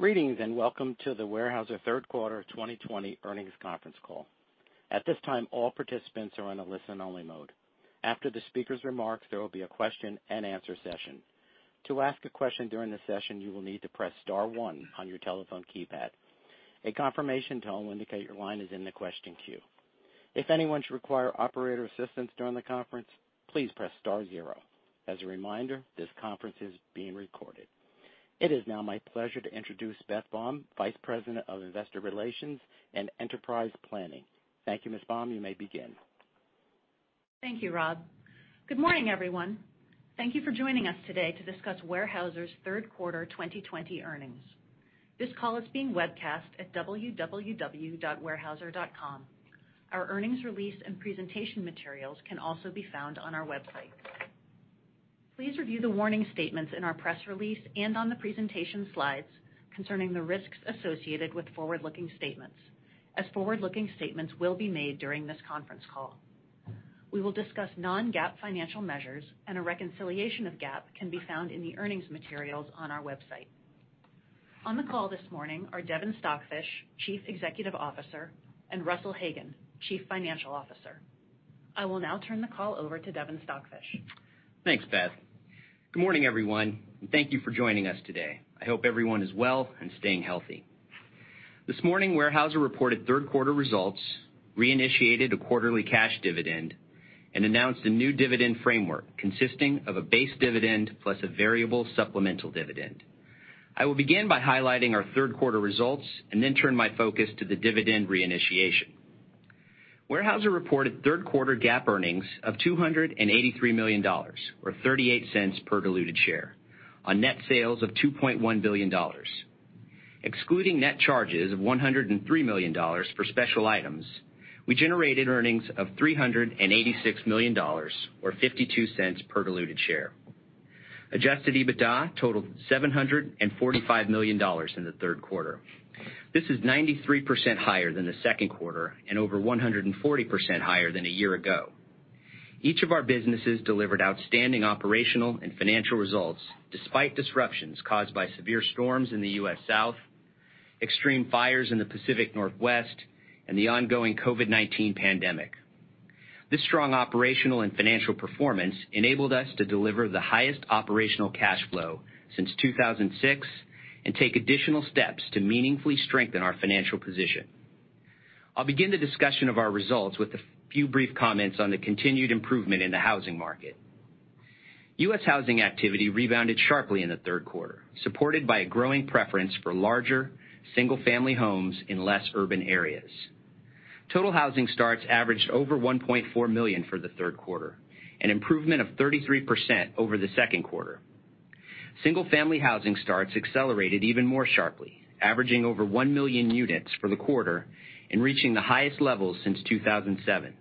Greetings and welcome to the Weyerhaeuser Third Quarter 2020 Earnings Conference Call. At this time, all participants are in a listen-only mode. After the speaker's remarks, there will be a question-and-answer session. To ask a question during the session, you will need to press Star one on your telephone keypad. A confirmation tone will indicate your line is in the question queue. If anyone should require operator assistance during the conference, please press Star zero. As a reminder, this conference is being recorded. It is now my pleasure to introduce Beth Baum, Vice President of Investor Relations and Enterprise Planning. Thank you, Ms. Baum. You may begin. Thank you, Rob. Good morning, everyone. Thank you for joining us today to discuss Weyerhaeuser's third quarter 2020 earnings. This call is being webcast at www.weyerhaeuser.com. Our earnings release and presentation materials can also be found on our website. Please review the warning statements in our press release and on the presentation slides concerning the risks associated with forward-looking statements, as forward-looking statements will be made during this conference call. We will discuss non-GAAP financial measures, and a reconciliation of GAAP can be found in the earnings materials on our website. On the call this morning are Devin Stockfish, Chief Executive Officer, and Russell Hagen, Chief Financial Officer. I will now turn the call over to Devin Stockfish. Thanks, Beth. Good morning, everyone, and thank you for joining us today. I hope everyone is well and staying healthy. This morning, Weyerhaeuser reported third-quarter results, reinitiated a quarterly cash dividend, and announced a new dividend framework consisting of a base dividend plus a variable supplemental dividend. I will begin by highlighting our third-quarter results and then turn my focus to the dividend reinitiation. Weyerhaeuser reported third-quarter GAAP earnings of $283 million, or $0.38 per diluted share, on net sales of $2.1 billion. Excluding net charges of $103 million for special items, we generated earnings of $386 million, or $0.52 per diluted share. Adjusted EBITDA totaled $745 million in the third quarter. This is 93% higher than the second quarter and over 140% higher than a year ago. Each of our businesses delivered outstanding operational and financial results despite disruptions caused by severe storms in the U.S. South, extreme fires in the Pacific Northwest, and the ongoing COVID-19 pandemic. This strong operational and financial performance enabled us to deliver the highest operational cash flow since 2006 and take additional steps to meaningfully strengthen our financial position. I'll begin the discussion of our results with a few brief comments on the continued improvement in the housing market. U.S. housing activity rebounded sharply in the third quarter, supported by a growing preference for larger, single-family homes in less urban areas. Total housing starts averaged over 1.4 million for the third quarter, an improvement of 33% over the second quarter. Single-family housing starts accelerated even more sharply, averaging over one million units for the quarter and reaching the highest levels since 2007.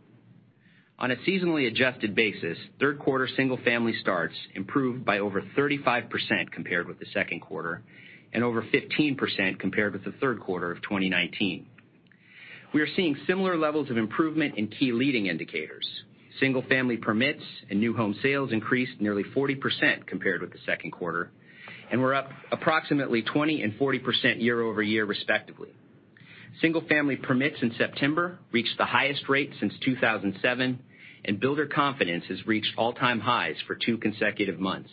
On a seasonally adjusted basis, third-quarter single-family starts improved by over 35% compared with the second quarter and over 15% compared with the third quarter of 2019. We are seeing similar levels of improvement in key leading indicators. Single-family permits and new home sales increased nearly 40% compared with the second quarter, and we're up approximately 20% and 40% year over year, respectively. Single-family permits in September reached the highest rate since 2007, and builder confidence has reached all-time highs for two consecutive months.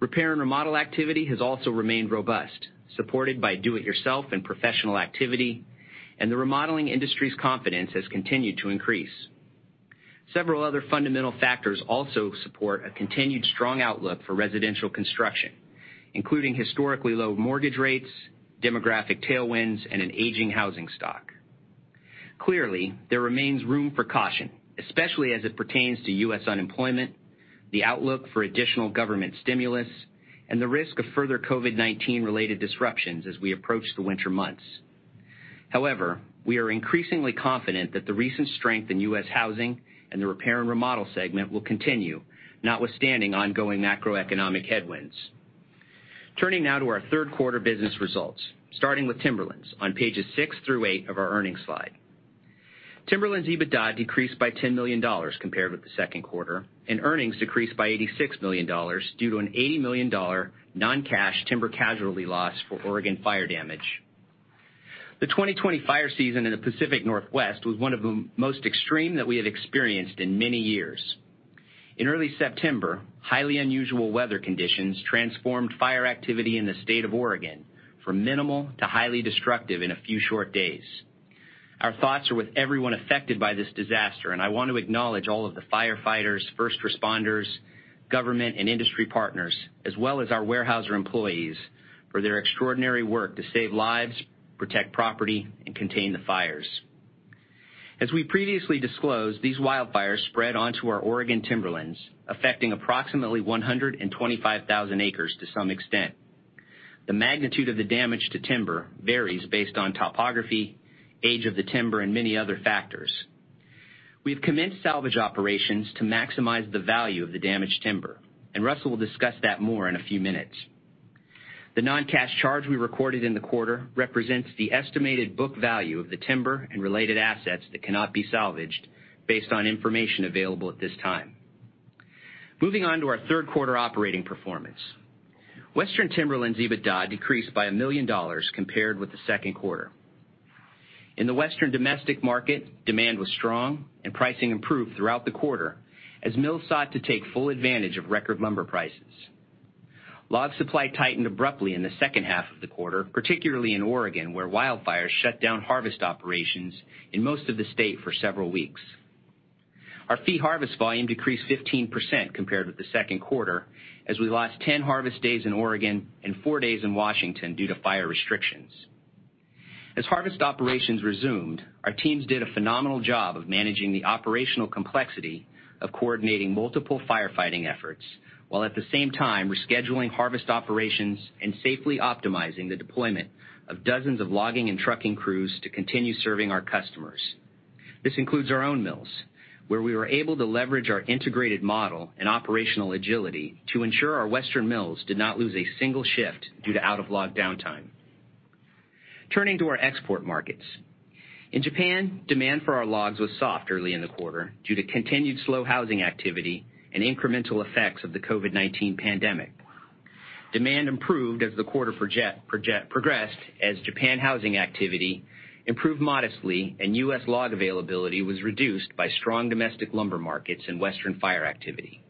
Repair and remodel activity has also remained robust, supported by do-it-yourself and professional activity, and the remodeling industry's confidence has continued to increase. Several other fundamental factors also support a continued strong outlook for residential construction, including historically low mortgage rates, demographic tailwinds, and an aging housing stock. Clearly, there remains room for caution, especially as it pertains to U.S. unemployment, the outlook for additional government stimulus, and the risk of further COVID-19-related disruptions as we approach the winter months. However, we are increasingly confident that the recent strength in U.S. housing and the repair and remodel segment will continue, notwithstanding ongoing macroeconomic headwinds. Turning now to our third-quarter business results, starting with Timberlands, on pages six through eight of our earnings slide. Timberlands' EBITDA decreased by $10 million compared with the second quarter, and earnings decreased by $86 million due to an $80 million non-cash timber casualty loss for Oregon fire damage. The 2020 fire season in the Pacific Northwest was one of the most extreme that we have experienced in many years. In early September, highly unusual weather conditions transformed fire activity in the state of Oregon from minimal to highly destructive in a few short days. Our thoughts are with everyone affected by this disaster, and I want to acknowledge all of the firefighters, first responders, government, and industry partners, as well as our Weyerhaeuser employees for their extraordinary work to save lives, protect property, and contain the fires. As we previously disclosed, these wildfires spread onto our Oregon timberlands, affecting approximately 125,000 acres to some extent. The magnitude of the damage to timber varies based on topography, age of the timber, and many other factors. We have commenced salvage operations to maximize the value of the damaged timber, and Russell will discuss that more in a few minutes. The non-cash charge we recorded in the quarter represents the estimated book value of the timber and related assets that cannot be salvaged, based on information available at this time. Moving on to our third-quarter operating performance, Western Timberlands' EBITDA decreased by $1 million compared with the second quarter. In the Western domestic market, demand was strong, and pricing improved throughout the quarter as mills sought to take full advantage of record lumber prices. Log supply tightened abruptly in the second half of the quarter, particularly in Oregon, where wildfires shut down harvest operations in most of the state for several weeks. Our fee harvest volume decreased 15% compared with the second quarter, as we lost 10 harvest days in Oregon and four days in Washington due to fire restrictions. As harvest operations resumed, our teams did a phenomenal job of managing the operational complexity of coordinating multiple firefighting efforts while at the same time rescheduling harvest operations and safely optimizing the deployment of dozens of logging and trucking crews to continue serving our customers. This includes our own mills, where we were able to leverage our integrated model and operational agility to ensure our Western mills did not lose a single shift due to out-of-log downtime. Turning to our export markets, in Japan, demand for our logs was soft early in the quarter due to continued slow housing activity and incremental effects of the COVID-19 pandemic. Demand improved as the quarter progressed as Japan housing activity improved modestly, and U.S. log availability was reduced by strong domestic lumber markets and Western fire activity.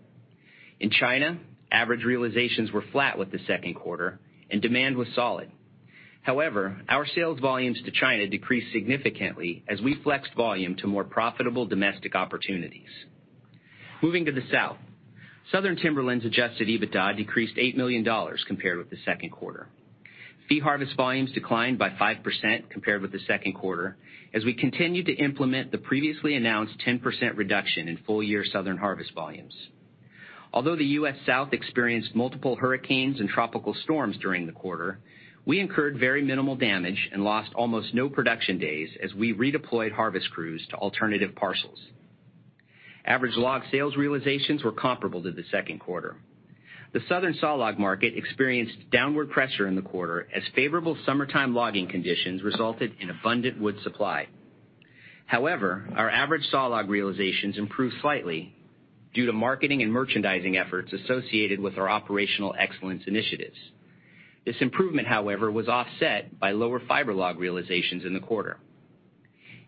In China, average realizations were flat with the second quarter, and demand was solid. However, our sales volumes to China decreased significantly as we flexed volume to more profitable domestic opportunities. Moving to the South, Southern Timberlands' Adjusted EBITDA decreased $8 million compared with the second quarter. Fee harvest volumes declined by 5% compared with the second quarter as we continued to implement the previously announced 10% reduction in full-year Southern harvest volumes. Although the U.S. South experienced multiple hurricanes and tropical storms during the quarter, we incurred very minimal damage and lost almost no production days as we redeployed harvest crews to alternative parcels. Average log sales realizations were comparable to the second quarter. The Southern saw log market experienced downward pressure in the quarter as favorable summertime logging conditions resulted in abundant wood supply. However, our average saw log realizations improved slightly due to marketing and merchandising efforts associated with our operational excellence initiatives. This improvement, however, was offset by lower fiber log realizations in the quarter.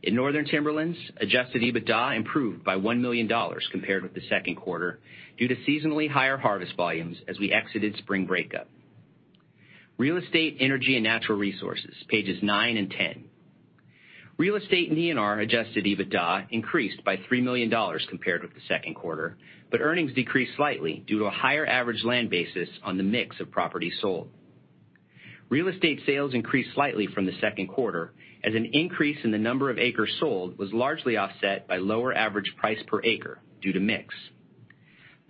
In Northern Timberlands, Adjusted EBITDA improved by $1 million compared with the second quarter due to seasonally higher harvest volumes as we exited spring breakup. Real Estate, Energy, and Natural Resources, pages nine and ten. Real Estate and ENR Adjusted EBITDA increased by $3 million compared with the second quarter, but earnings decreased slightly due to a higher average land basis on the mix of properties sold. Real Estate sales increased slightly from the second quarter as an increase in the number of acres sold was largely offset by lower average price per acre due to mix.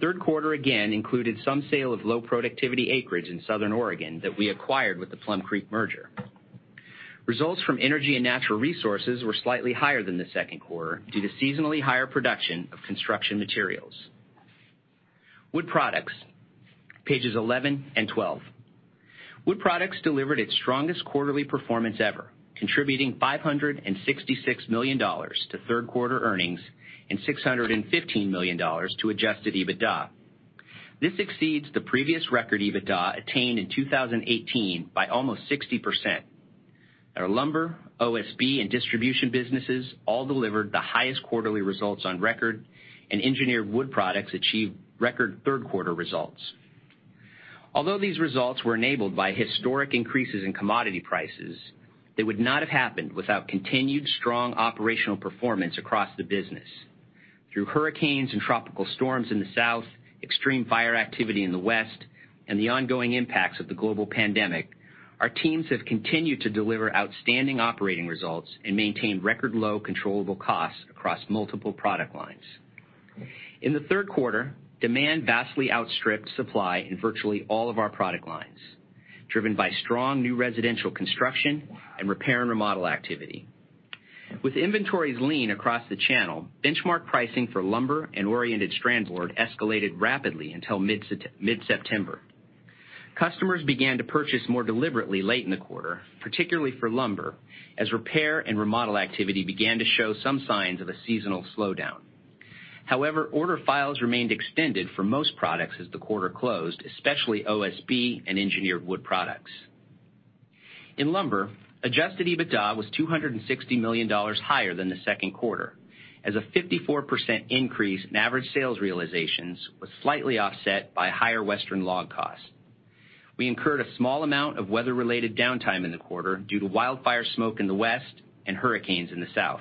Third quarter again included some sale of low productivity acreage in Southern Oregon that we acquired with the Plum Creek merger. Results from Energy and Natural Resources were slightly higher than the second quarter due to seasonally higher production of construction materials. Wood Products, pages 11 and 12. Wood Products delivered its strongest quarterly performance ever, contributing $566 million to third-quarter earnings and $615 million to Adjusted EBITDA. This exceeds the previous record EBITDA attained in 2018 by almost 60%. Our lumber, OSB, and distribution businesses all delivered the highest quarterly results on record, and Engineered Wood Products achieved record third-quarter results. Although these results were enabled by historic increases in commodity prices, they would not have happened without continued strong operational performance across the business. Through hurricanes and tropical storms in the South, extreme fire activity in the West, and the ongoing impacts of the global pandemic, our teams have continued to deliver outstanding operating results and maintain record-low controllable costs across multiple product lines. In the third quarter, demand vastly outstripped supply in virtually all of our product lines, driven by strong new residential construction and repair and remodel activity. With inventories lean across the channel, benchmark pricing for lumber and Oriented Strand Board escalated rapidly until mid-September. Customers began to purchase more deliberately late in the quarter, particularly for lumber, as repair and remodel activity began to show some signs of a seasonal slowdown. However, order files remained extended for most products as the quarter closed, especially OSB and Engineered Wood Products. In lumber, Adjusted EBITDA was $260 million higher than the second quarter, as a 54% increase in average sales realizations was slightly offset by higher Western log costs. We incurred a small amount of weather-related downtime in the quarter due to wildfire smoke in the West and hurricanes in the South.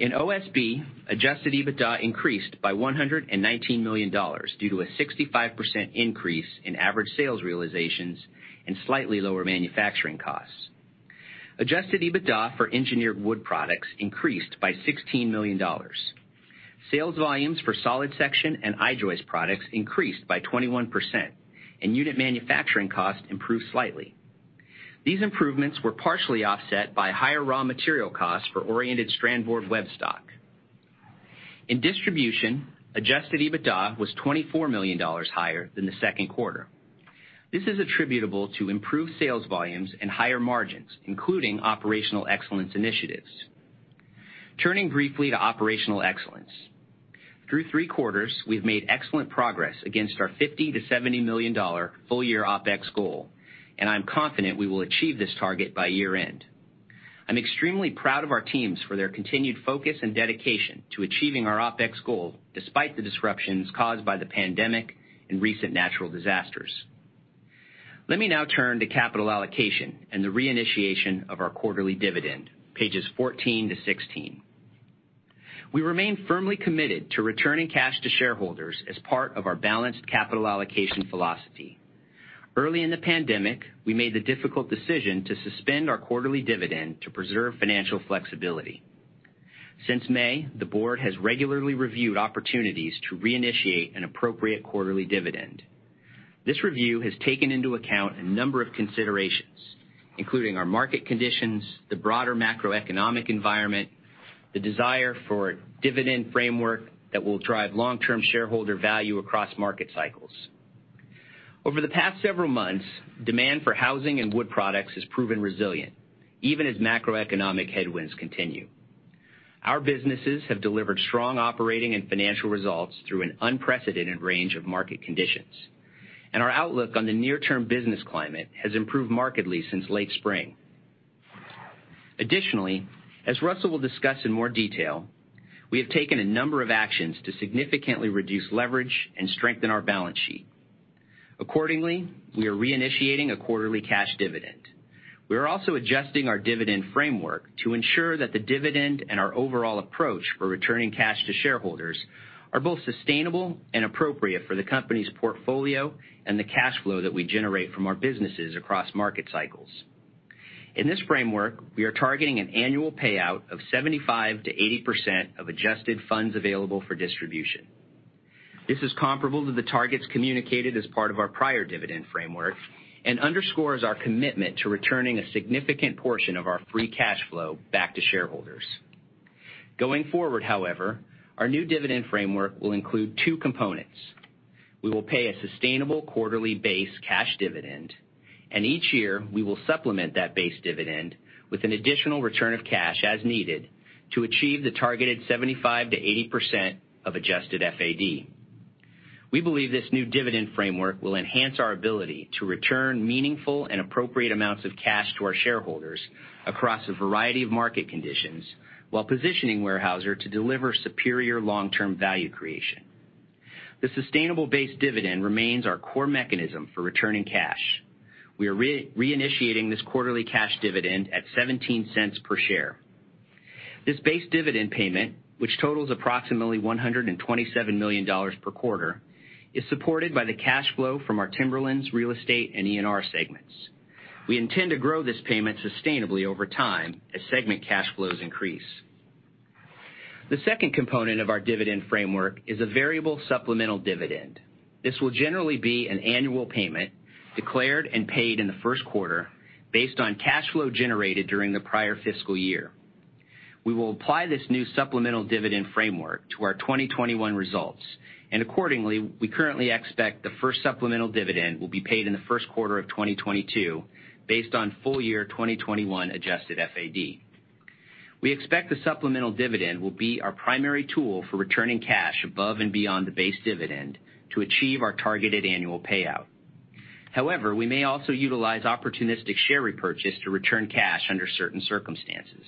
In OSB, Adjusted EBITDA increased by $119 million due to a 65% increase in average sales realizations and slightly lower manufacturing costs. Adjusted EBITDA for Engineered Wood Products increased by $16 million. Sales volumes for solid section and I-joist products increased by 21%, and unit manufacturing costs improved slightly. These improvements were partially offset by higher raw material costs for oriented strand board web stock. In distribution, Adjusted EBITDA was $24 million higher than the second quarter. This is attributable to improved sales volumes and higher margins, including operational excellence initiatives. Turning briefly to operational excellence, through three quarters, we've made excellent progress against our $50-$70 million full-year OpEx goal, and I'm confident we will achieve this target by year-end. I'm extremely proud of our teams for their continued focus and dedication to achieving our OpEx goal despite the disruptions caused by the pandemic and recent natural disasters. Let me now turn to capital allocation and the reinitiation of our quarterly dividend, pages 14 to 16. We remain firmly committed to returning cash to shareholders as part of our balanced capital allocation philosophy. Early in the pandemic, we made the difficult decision to suspend our quarterly dividend to preserve financial flexibility. Since May, the board has regularly reviewed opportunities to reinitiate an appropriate quarterly dividend. This review has taken into account a number of considerations, including our market conditions, the broader macroeconomic environment, and the desire for a dividend framework that will drive long-term shareholder value across market cycles. Over the past several months, demand for housing and wood products has proven resilient, even as macroeconomic headwinds continue. Our businesses have delivered strong operating and financial results through an unprecedented range of market conditions, and our outlook on the near-term business climate has improved markedly since late spring. Additionally, as Russell will discuss in more detail, we have taken a number of actions to significantly reduce leverage and strengthen our balance sheet. Accordingly, we are reinitiating a quarterly cash dividend. We are also adjusting our dividend framework to ensure that the dividend and our overall approach for returning cash to shareholders are both sustainable and appropriate for the company's portfolio and the cash flow that we generate from our businesses across market cycles. In this framework, we are targeting an annual payout of 75%-80% of adjusted funds available for distribution. This is comparable to the targets communicated as part of our prior dividend framework and underscores our commitment to returning a significant portion of our free cash flow back to shareholders. Going forward, however, our new dividend framework will include two components. We will pay a sustainable quarterly base cash dividend, and each year we will supplement that base dividend with an additional return of cash as needed to achieve the targeted 75%-80% of Adjusted FAD. We believe this new dividend framework will enhance our ability to return meaningful and appropriate amounts of cash to our shareholders across a variety of market conditions while positioning Weyerhaeuser to deliver superior long-term value creation. The sustainable base dividend remains our core mechanism for returning cash. We are reinitiating this quarterly cash dividend at $0.17 per share. This base dividend payment, which totals approximately $127 million per quarter, is supported by the cash flow from our Timberlands, Real Estate, and ENR segments. We intend to grow this payment sustainably over time as segment cash flows increase. The second component of our dividend framework is a variable supplemental dividend. This will generally be an annual payment declared and paid in the first quarter based on cash flow generated during the prior fiscal year. We will apply this new supplemental dividend framework to our 2021 results, and accordingly, we currently expect the first supplemental dividend will be paid in the first quarter of 2022 based on full-year 2021 Adjusted FAD. We expect the supplemental dividend will be our primary tool for returning cash above and beyond the base dividend to achieve our targeted annual payout. However, we may also utilize opportunistic share repurchase to return cash under certain circumstances.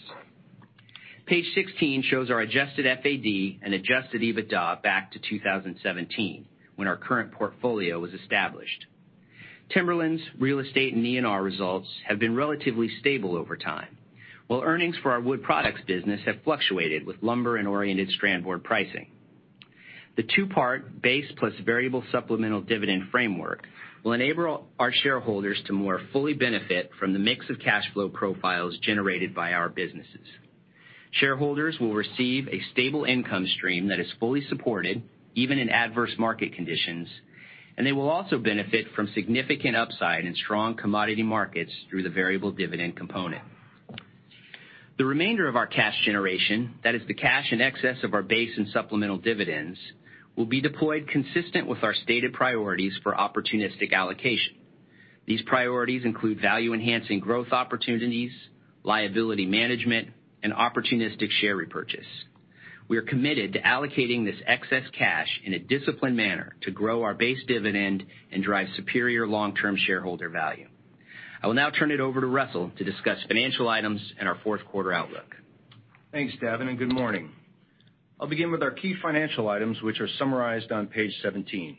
Page 16 shows our Adjusted FAD and Adjusted EBITDA back to 2017 when our current portfolio was established. Timberlands, Real Estate, and ENR results have been relatively stable over time, while earnings for our wood products business have fluctuated with lumber and oriented strand board pricing. The two-part base plus variable supplemental dividend framework will enable our shareholders to more fully benefit from the mix of cash flow profiles generated by our businesses. Shareholders will receive a stable income stream that is fully supported even in adverse market conditions, and they will also benefit from significant upside in strong commodity markets through the variable dividend component. The remainder of our cash generation, that is, the cash in excess of our base and supplemental dividends, will be deployed consistent with our stated priorities for opportunistic allocation. These priorities include value-enhancing growth opportunities, liability management, and opportunistic share repurchase. We are committed to allocating this excess cash in a disciplined manner to grow our base dividend and drive superior long-term shareholder value. I will now turn it over to Russell to discuss financial items and our fourth quarter outlook. Thanks, Devin, and good morning. I'll begin with our key financial items, which are summarized on page 17.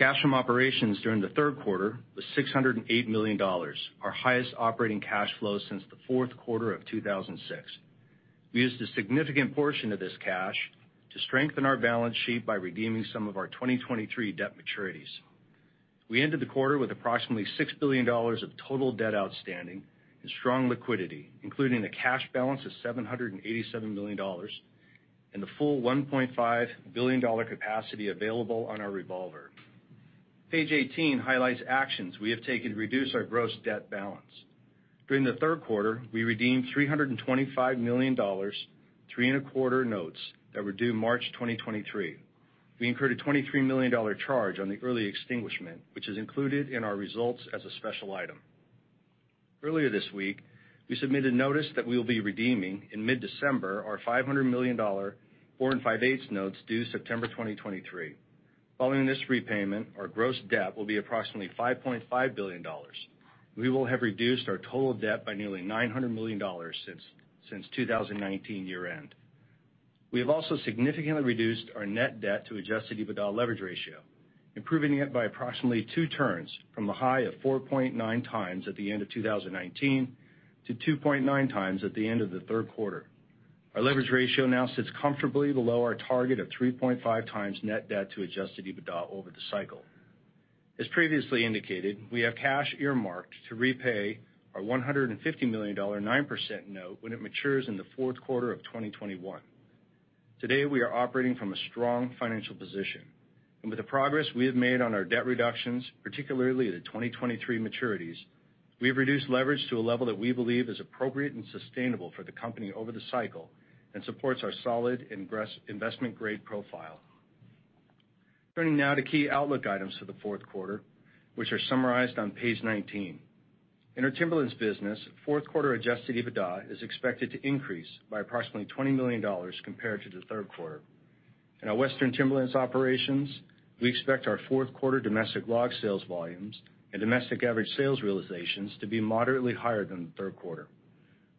Cash from operations during the third quarter was $608 million, our highest operating cash flow since the fourth quarter of 2006. We used a significant portion of this cash to strengthen our balance sheet by redeeming some of our 2023 debt maturities. We ended the quarter with approximately $6 billion of total debt outstanding and strong liquidity, including a cash balance of $787 million and the full $1.5 billion capacity available on our revolver. Page 18 highlights actions we have taken to reduce our gross debt balance. During the third quarter, we redeemed $325 million, three and a quarter notes that were due March 2023. We incurred a $23 million charge on the early extinguishment, which is included in our results as a special item. Earlier this week, we submitted notice that we will be redeeming in mid-December our $500 million 4.75 notes due September 2023. Following this repayment, our gross debt will be approximately $5.5 billion. We will have reduced our total debt by nearly $900 million since 2019 year-end. We have also significantly reduced our net debt to Adjusted EBITDA leverage ratio, improving it by approximately two turns from a high of 4.9 times at the end of 2019 to 2.9 times at the end of the third quarter. Our leverage ratio now sits comfortably below our target of 3.5 times net debt to Adjusted EBITDA over the cycle. As previously indicated, we have cash earmarked to repay our $150 million, 9% note when it matures in the fourth quarter of 2021. Today, we are operating from a strong financial position, and with the progress we have made on our debt reductions, particularly the 2023 maturities, we have reduced leverage to a level that we believe is appropriate and sustainable for the company over the cycle and supports our solid investment-grade profile. Turning now to key outlook items for the fourth quarter, which are summarized on page 19. In our Timberlands business, fourth quarter Adjusted EBITDA is expected to increase by approximately $20 million compared to the third quarter. In our Western Timberlands operations, we expect our fourth quarter domestic log sales volumes and domestic average sales realizations to be moderately higher than the third quarter.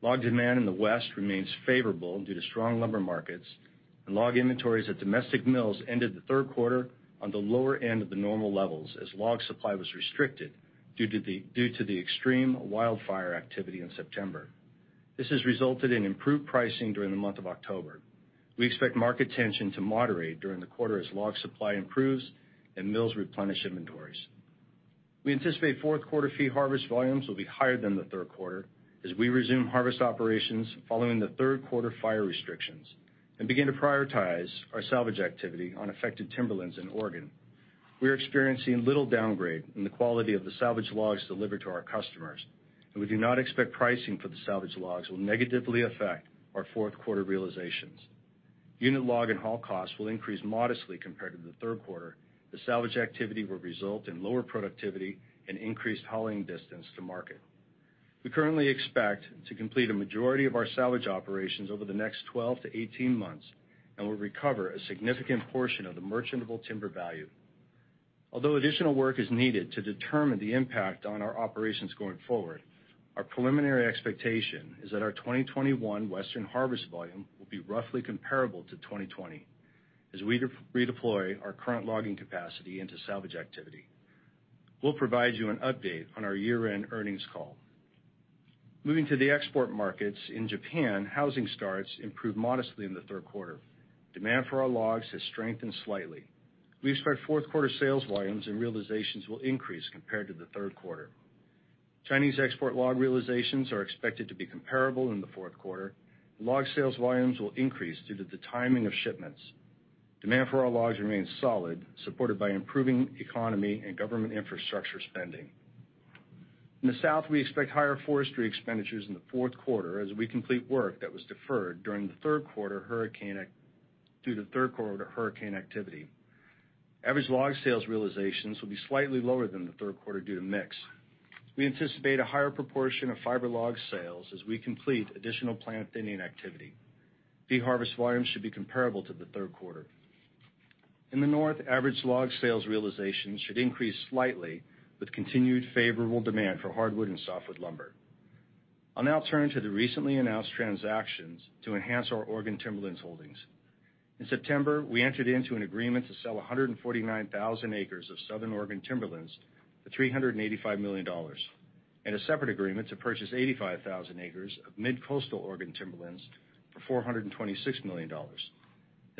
Log demand in the West remains favorable due to strong lumber markets, and log inventories at domestic mills ended the third quarter on the lower end of the normal levels as log supply was restricted due to the extreme wildfire activity in September. This has resulted in improved pricing during the month of October. We expect market tension to moderate during the quarter as log supply improves and mills replenish inventories. We anticipate fourth quarter fee harvest volumes will be higher than the third quarter as we resume harvest operations following the third quarter fire restrictions and begin to prioritize our salvage activity on affected timberlands in Oregon. We are experiencing little downgrade in the quality of the salvage logs delivered to our customers, and we do not expect pricing for the salvage logs will negatively affect our fourth quarter realizations. Unit log and haul costs will increase modestly compared to the third quarter. The salvage activity will result in lower productivity and increased hauling distance to market. We currently expect to complete a majority of our salvage operations over the next 12 to 18 months and will recover a significant portion of the merchantable timber value. Although additional work is needed to determine the impact on our operations going forward, our preliminary expectation is that our 2021 Western harvest volume will be roughly comparable to 2020 as we redeploy our current logging capacity into salvage activity. We'll provide you an update on our year-end earnings call. Moving to the export markets, in Japan, housing starts improved modestly in the third quarter. Demand for our logs has strengthened slightly. We expect fourth quarter sales volumes and realizations will increase compared to the third quarter. Chinese export log realizations are expected to be comparable in the fourth quarter. Log sales volumes will increase due to the timing of shipments. Demand for our logs remains solid, supported by improving economy and government infrastructure spending. In the South, we expect higher forestry expenditures in the fourth quarter as we complete work that was deferred during the third quarter due to third quarter hurricane activity. Average log sales realizations will be slightly lower than the third quarter due to mix. We anticipate a higher proportion of fiber log sales as we complete additional plant thinning activity. Fee harvest volumes should be comparable to the third quarter. In the North, average log sales realizations should increase slightly with continued favorable demand for hardwood and softwood lumber. I'll now turn to the recently announced transactions to enhance our Oregon Timberlands holdings. In September, we entered into an agreement to sell 149,000 acres of Southern Oregon Timberlands for $385 million, and a separate agreement to purchase 85,000 acres of Mid-Coastal Oregon Timberlands for $426 million.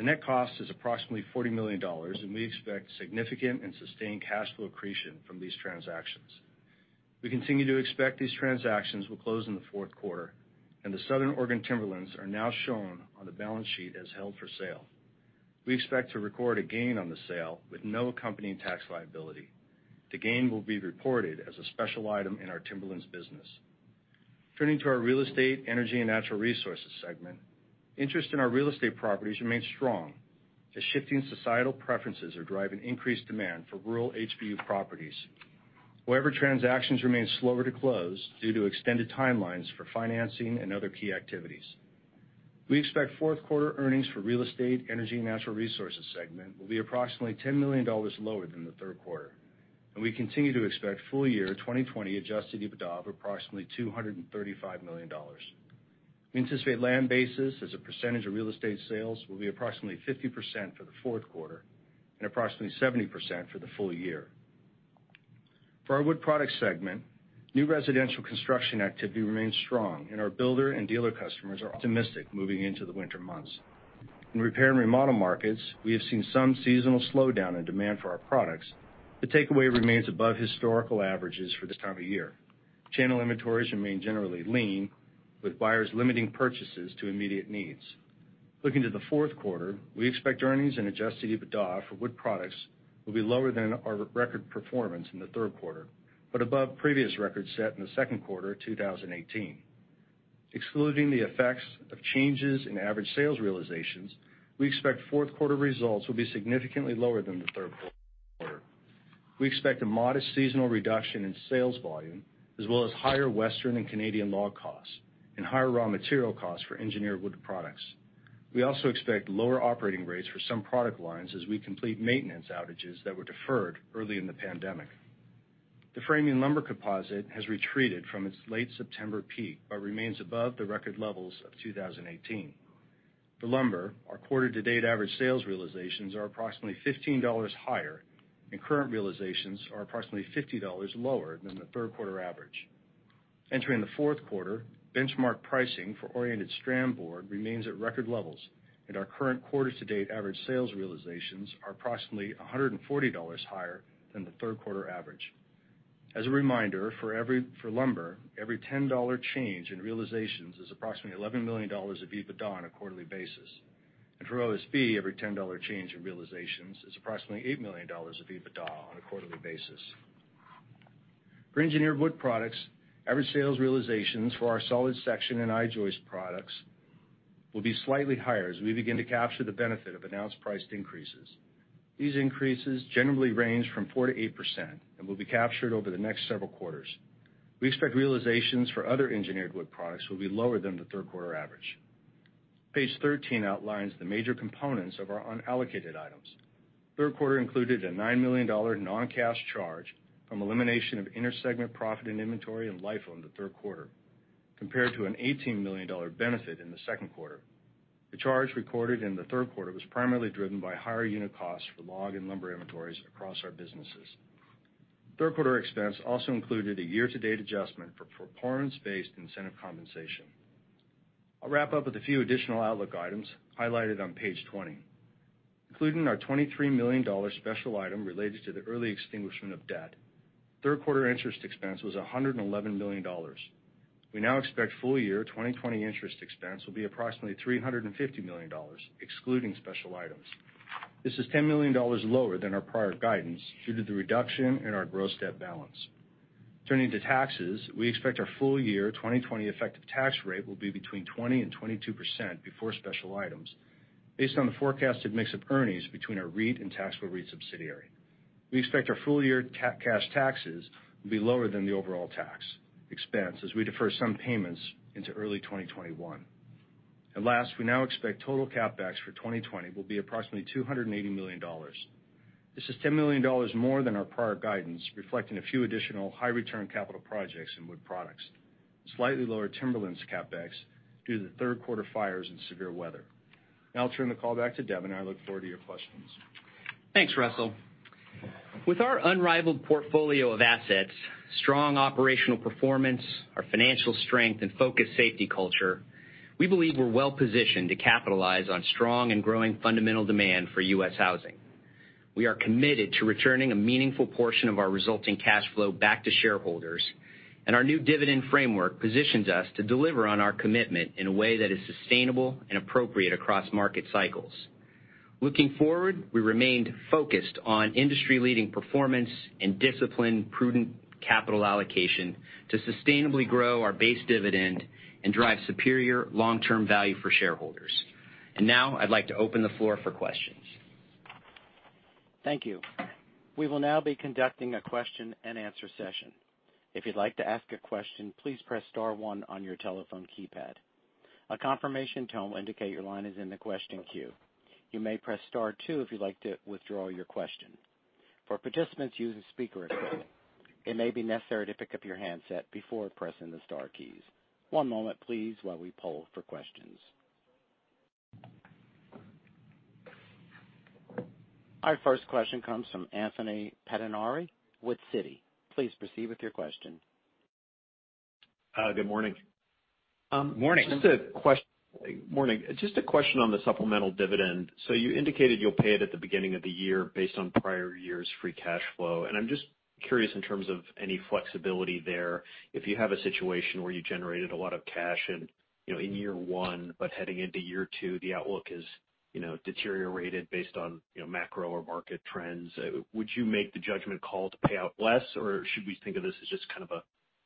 The net cost is approximately $40 million, and we expect significant and sustained cash flow accretion from these transactions. We continue to expect these transactions will close in the fourth quarter, and the Southern Oregon Timberlands are now shown on the balance sheet as held for sale. We expect to record a gain on the sale with no accompanying tax liability. The gain will be reported as a special item in our Timberlands business. Turning to our real estate, energy, and natural resources segment, interest in our real estate properties remains strong as shifting societal preferences are driving increased demand for rural HBU properties. However, transactions remain slower to close due to extended timelines for financing and other key activities. We expect fourth quarter earnings for real estate, energy, and natural resources segment will be approximately $10 million lower than the third quarter, and we continue to expect full-year 2020 Adjusted EBITDA of approximately $235 million. We anticipate land basis as a percentage of real estate sales will be approximately 50% for the fourth quarter and approximately 70% for the full year. For our wood products segment, new residential construction activity remains strong, and our builder and dealer customers are optimistic moving into the winter months. In repair and remodel markets, we have seen some seasonal slowdown in demand for our products. The takeaway remains above historical averages for this time of year. Channel inventories remain generally lean, with buyers limiting purchases to immediate needs. Looking to the fourth quarter, we expect earnings and Adjusted EBITDA for wood products will be lower than our record performance in the third quarter, but above previous records set in the second quarter of 2018. Excluding the effects of changes in average sales realizations, we expect fourth quarter results will be significantly lower than the third quarter. We expect a modest seasonal reduction in sales volume, as well as higher Western and Canadian log costs and higher raw material costs for engineered wood products. We also expect lower operating rates for some product lines as we complete maintenance outages that were deferred early in the pandemic. The framing lumber composite has retreated from its late September peak but remains above the record levels of 2018. For lumber, our quarter-to-date average sales realizations are approximately $15 higher, and current realizations are approximately $50 lower than the third quarter average. Entering the fourth quarter, benchmark pricing for oriented strand board remains at record levels, and our current quarter-to-date average sales realizations are approximately $140 higher than the third quarter average. As a reminder, for lumber, every $10 change in realizations is approximately $11 million of EBITDA on a quarterly basis, and for OSB, every $10 change in realizations is approximately $8 million of EBITDA on a quarterly basis. For engineered wood products, average sales realizations for our solid section and I-joist products will be slightly higher as we begin to capture the benefit of announced price increases. These increases generally range from 4%-8% and will be captured over the next several quarters. We expect realizations for other engineered wood products will be lower than the third quarter average. Page 13 outlines the major components of our unallocated items. Third quarter included a $9 million non-cash charge from elimination of inter-segment profit and inventory LIFO on the third quarter, compared to an $18 million benefit in the second quarter. The charge recorded in the third quarter was primarily driven by higher unit costs for log and lumber inventories across our businesses. Third quarter expense also included a year-to-date adjustment for performance-based incentive compensation. I'll wrap up with a few additional outlook items highlighted on page 20. Including our $23 million special item related to the early extinguishment of debt, third quarter interest expense was $111 million. We now expect full-year 2020 interest expense will be approximately $350 million, excluding special items. This is $10 million lower than our prior guidance due to the reduction in our gross debt balance. Turning to taxes, we expect our full-year 2020 effective tax rate will be between 20% and 22% before special items, based on the forecasted mix of earnings between our REIT and taxable REIT subsidiary. We expect our full-year cash taxes will be lower than the overall tax expense as we defer some payments into early 2021. And last, we now expect total CapEx for 2020 will be approximately $280 million. This is $10 million more than our prior guidance, reflecting a few additional high-return capital projects in wood products, slightly lower Timberlands CapEx due to the third quarter fires and severe weather. Now I'll turn the call back to Devin, and I look forward to your questions. Thanks, Russell. With our unrivaled portfolio of assets, strong operational performance, our financial strength, and focused safety culture, we believe we're well positioned to capitalize on strong and growing fundamental demand for U.S. housing. We are committed to returning a meaningful portion of our resulting cash flow back to shareholders, and our new dividend framework positions us to deliver on our commitment in a way that is sustainable and appropriate across market cycles. Looking forward, we remained focused on industry-leading performance and disciplined prudent capital allocation to sustainably grow our base dividend and drive superior long-term value for shareholders. And now I'd like to open the floor for questions. Thank you. We will now be conducting a question-and-answer session. If you'd like to ask a question, please press star one on your telephone keypad. A confirmation tone will indicate your line is in the question queue. You may press star two if you'd like to withdraw your question. For participants using speaker equipment, it may be necessary to pick up your handset before pressing the star keys. One moment, please, while we poll for questions. Our first question comes from Anthony Pettinari, Citi. Please proceed with your question. Good morning. Morning. Just a question. Morning. Just a question on the supplemental dividend. So you indicated you'll pay it at the beginning of the year based on prior year's free cash flow. And I'm just curious in terms of any flexibility there. If you have a situation where you generated a lot of cash in year one, but heading into year two, the outlook has deteriorated based on macro or market trends, would you make the judgment call to pay out less, or should we think of this as just kind of a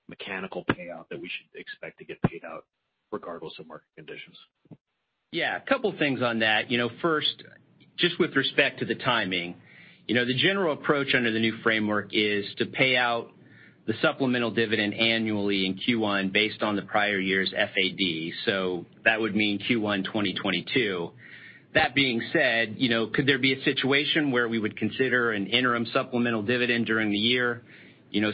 mechanical payout that we should expect to get paid out regardless of market conditions? Yeah. A couple of things on that. First, just with respect to the timing, the general approach under the new framework is to pay out the supplemental dividend annually in Q1 based on the prior year's FAD. So that would mean Q1 2022. That being said, could there be a situation where we would consider an interim supplemental dividend during the year?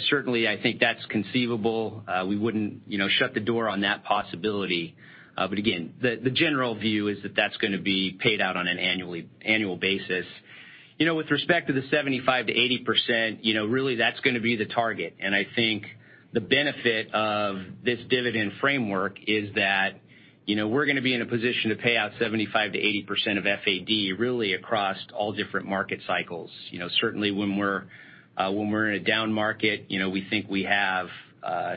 Certainly, I think that's conceivable. We wouldn't shut the door on that possibility. But again, the general view is that that's going to be paid out on an annual basis. With respect to the 75%-80%, really, that's going to be the target. And I think the benefit of this dividend framework is that we're going to be in a position to pay out 75%-80% of FAD really across all different market cycles. Certainly, when we're in a down market, we think we have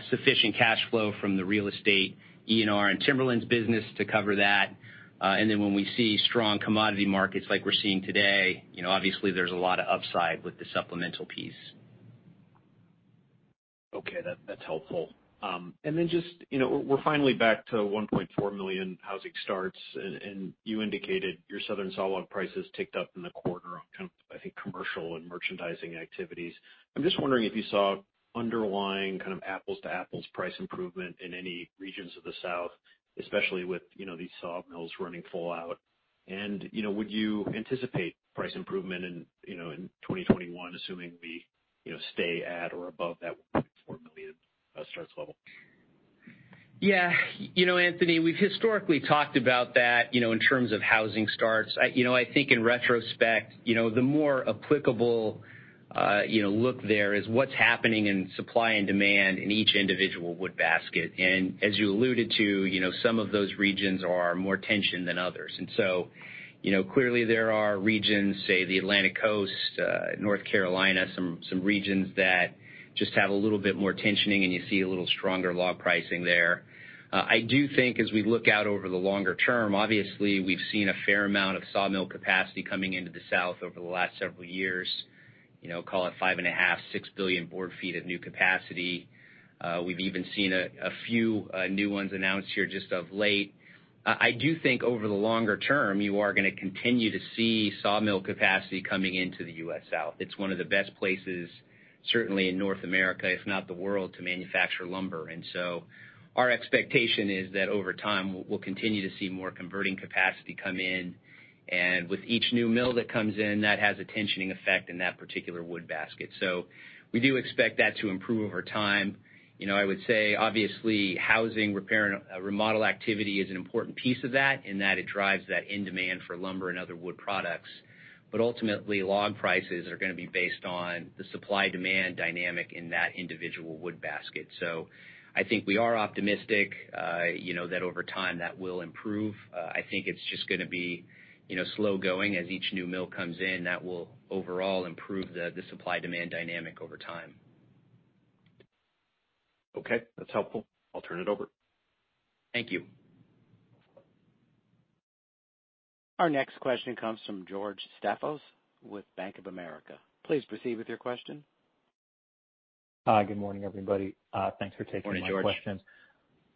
sufficient cash flow from the real estate, ENR, and Timberlands business to cover that. And then when we see strong commodity markets like we're seeing today, obviously, there's a lot of upside with the supplemental piece. Okay. That's helpful. And then just we're finally back to 1.4 million housing starts, and you indicated your Southern saw log prices ticked up in the quarter on kind of, I think, commercial and merchandising activities. I'm just wondering if you saw underlying kind of apples-to-apples price improvement in any regions of the South, especially with these saw mills running full out. And would you anticipate price improvement in 2021, assuming we stay at or above that 1.4 million starts level? Yeah. Anthony, we've historically talked about that in terms of housing starts. I think in retrospect, the more applicable look there is what's happening in supply and demand in each individual wood basket. And as you alluded to, some of those regions are more tensioned than others. And so clearly, there are regions, say, the Atlantic Coast, North Carolina, some regions that just have a little bit more tensioning, and you see a little stronger log pricing there. I do think as we look out over the longer term, obviously, we've seen a fair amount of saw mill capacity coming into the South over the last several years. Call it 5.5-6 billion board feet of new capacity. We've even seen a few new ones announced here just of late. I do think over the longer term, you are going to continue to see saw mill capacity coming into the U.S. South. It's one of the best places, certainly in North America, if not the world, to manufacture lumber. And so our expectation is that over time, we'll continue to see more converting capacity come in. And with each new mill that comes in, that has a tensioning effect in that particular wood basket. So we do expect that to improve over time. I would say, obviously, housing, repair, and remodel activity is an important piece of that in that it drives that in-demand for lumber and other wood products. But ultimately, log prices are going to be based on the supply-demand dynamic in that individual wood basket. So I think we are optimistic that over time, that will improve. I think it's just going to be slow going. As each new mill comes in, that will overall improve the supply-demand dynamic over time. Okay. That's helpful. I'll turn it over. Thank you. Our next question comes from George Staphos with Bank of America. Please proceed with your question. Good morning, everybody. Thanks for taking our questions. Morning, George.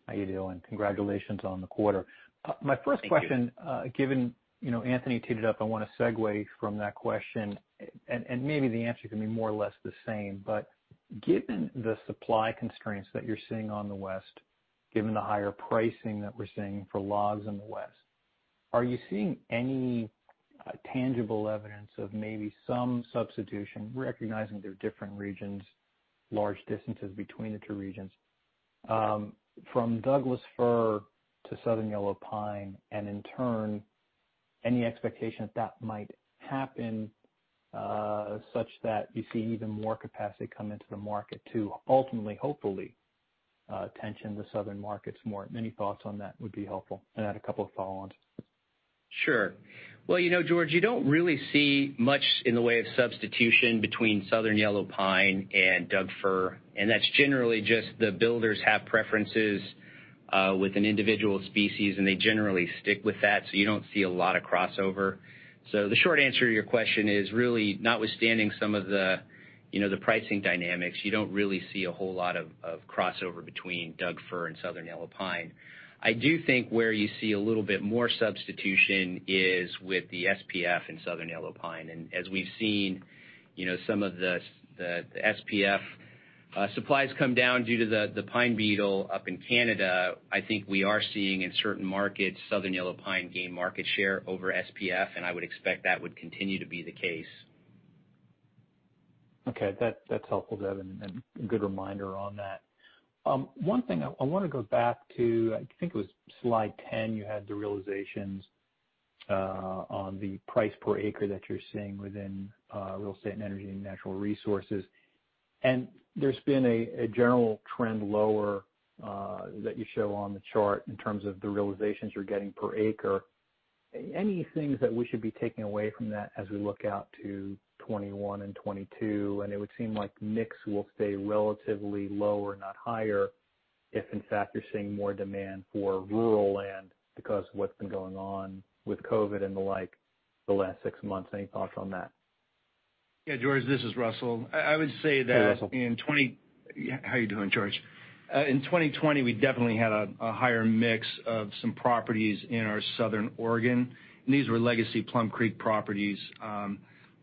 How are you doing? Congratulations on the quarter. My first question, given Anthony teed it up, I want to segue from that question. And maybe the answer can be more or less the same. But given the supply constraints that you're seeing on the West, given the higher pricing that we're seeing for logs in the West, are you seeing any tangible evidence of maybe some substitution, recognizing there are different regions, large distances between the two regions, from Douglas Fir to Southern Yellow Pine, and in turn, any expectation that that might happen such that you see even more capacity come into the market to ultimately, hopefully, tighten the Southern markets more? Many thoughts on that would be helpful. And I had a couple of follow-ons. Sure. Well, George, you don't really see much in the way of substitution between Southern Yellow Pine and Doug Fir. And that's generally just the builders have preferences with an individual species, and they generally stick with that. So you don't see a lot of crossover. So the short answer to your question is really, notwithstanding some of the pricing dynamics, you don't really see a whole lot of crossover between Doug Fir and Southern Yellow Pine. I do think where you see a little bit more substitution is with the SPF and Southern Yellow Pine. And as we've seen some of the SPF supplies come down due to the pine beetle up in Canada, I think we are seeing in certain markets, Southern Yellow Pine gain market share over SPF. And I would expect that would continue to be the case. Okay. That's helpful, Devin, and a good reminder on that. One thing, I want to go back to, I think it was slide 10, you had the realizations on the price per acre that you're seeing within real estate and energy and natural resources. And there's been a general trend lower that you show on the chart in terms of the realizations you're getting per acre. Any things that we should be taking away from that as we look out to 2021 and 2022? And it would seem like mix will stay relatively lower, not higher, if in fact you're seeing more demand for rural land because of what's been going on with COVID and the like the last six months. Any thoughts on that? Yeah, George, this is Russell. I would say that in. Hey, Russell. How are you doing, George? In 2020, we definitely had a higher mix of some properties in our Southern Oregon, and these were legacy Plum Creek properties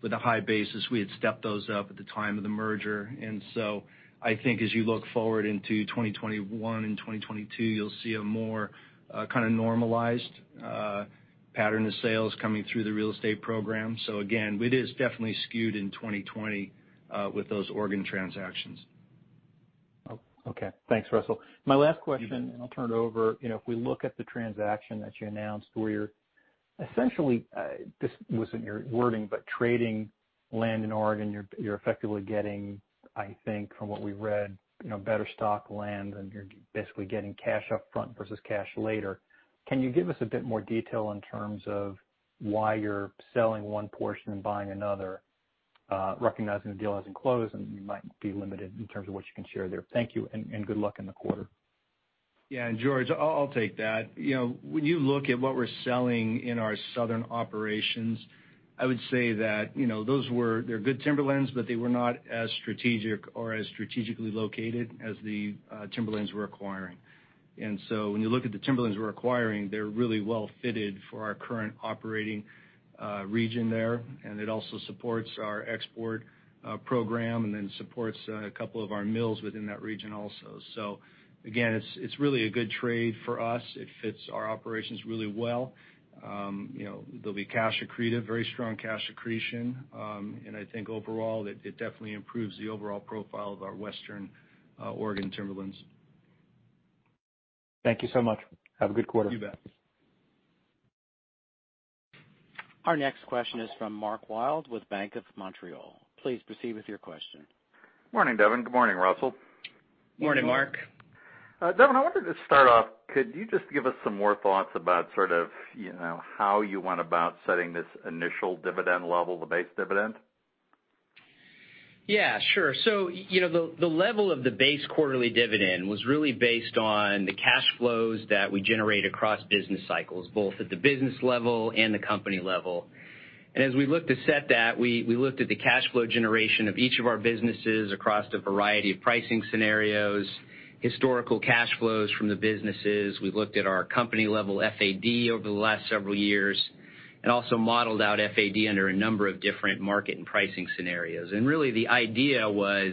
with a high basis. We had stepped those up at the time of the merger, and so I think as you look forward into 2021 and 2022, you'll see a more kind of normalized pattern of sales coming through the real estate program, so again, it is definitely skewed in 2020 with those Oregon transactions. Okay. Thanks, Russell. My last question, and I'll turn it over. If we look at the transaction that you announced where you're essentially, this wasn't your wording, but trading land in Oregon, you're effectively getting, I think, from what we read, better stock land, and you're basically getting cash upfront versus cash later. Can you give us a bit more detail in terms of why you're selling one portion and buying another, recognizing the deal hasn't closed, and you might be limited in terms of what you can share there? Thank you, and good luck in the quarter. Yeah. And George, I'll take that. When you look at what we're selling in our Southern operations, I would say that those were good Timberlands, but they were not as strategic or as strategically located as the Timberlands we're acquiring. And so when you look at the Timberlands we're acquiring, they're really well fitted for our current operating region there. And it also supports our export program and then supports a couple of our mills within that region also. So again, it's really a good trade for us. It fits our operations really well. There'll be cash accretive, very strong cash accretion. And I think overall, it definitely improves the overall profile of our Western Oregon Timberlands. Thank you so much. Have a good quarter. You bet. Our next question is from Mark Wilde with Bank of Montreal. Please proceed with your question. Morning, Devin. Good morning, Russell. Morning, Mark. Devin, I wanted to start off, could you just give us some more thoughts about sort of how you went about setting this initial dividend level, the base dividend? Yeah, sure. So the level of the base quarterly dividend was really based on the cash flows that we generate across business cycles, both at the business level and the company level. And as we looked to set that, we looked at the cash flow generation of each of our businesses across a variety of pricing scenarios, historical cash flows from the businesses. We looked at our company-level FAD over the last several years and also modeled out FAD under a number of different market and pricing scenarios. And really, the idea was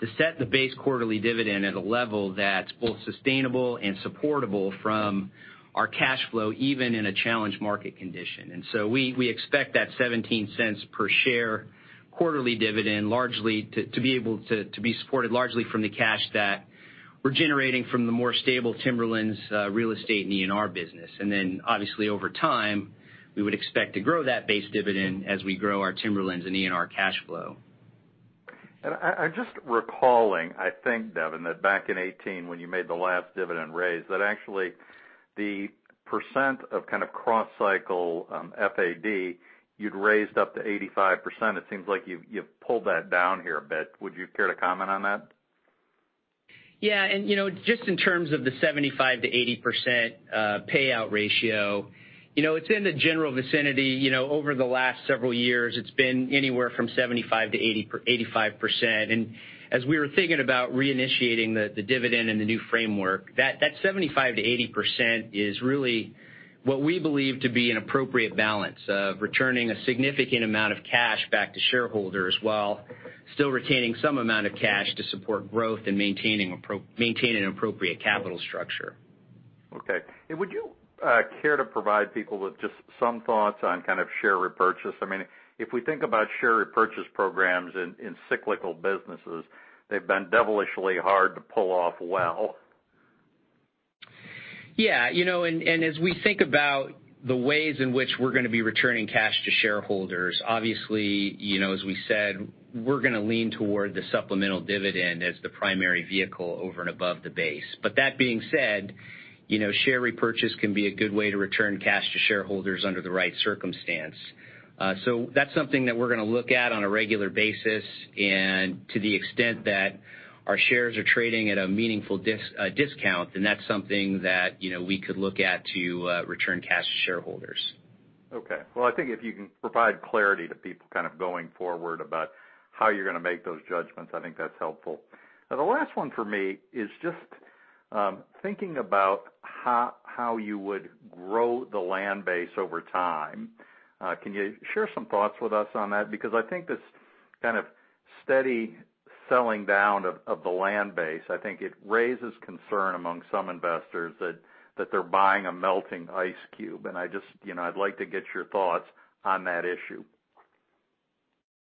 to set the base quarterly dividend at a level that's both sustainable and supportable from our cash flow, even in a challenge market condition. And so we expect that $0.17 per share quarterly dividend to be supported largely from the cash that we're generating from the more stable Timberlands, real estate, and ENR business. Obviously, over time, we would expect to grow that Base Dividend as we grow our Timberlands and ENR cash flow. And I'm just recalling, I think, Devin, that back in 2018, when you made the last dividend raise, that actually the percent of kind of cross-cycle FAD, you'd raised up to 85%. It seems like you've pulled that down here a bit. Would you care to comment on that? Yeah. And just in terms of the 75%-80% payout ratio, it's in the general vicinity. Over the last several years, it's been anywhere from 75%-85%. And as we were thinking about reinitiating the dividend and the new framework, that 75%-80% is really what we believe to be an appropriate balance of returning a significant amount of cash back to shareholders while still retaining some amount of cash to support growth and maintaining an appropriate capital structure. Okay, and would you care to provide people with just some thoughts on kind of share repurchase? I mean, if we think about share repurchase programs in cyclical businesses, they've been devilishly hard to pull off well. Yeah. And as we think about the ways in which we're going to be returning cash to shareholders, obviously, as we said, we're going to lean toward the supplemental dividend as the primary vehicle over and above the base. But that being said, share repurchase can be a good way to return cash to shareholders under the right circumstance. So that's something that we're going to look at on a regular basis. And to the extent that our shares are trading at a meaningful discount, then that's something that we could look at to return cash to shareholders. Okay. Well, I think if you can provide clarity to people kind of going forward about how you're going to make those judgments, I think that's helpful. The last one for me is just thinking about how you would grow the land base over time. Can you share some thoughts with us on that? Because I think this kind of steady selling down of the land base, I think it raises concern among some investors that they're buying a melting ice cube. And I'd like to get your thoughts on that issue.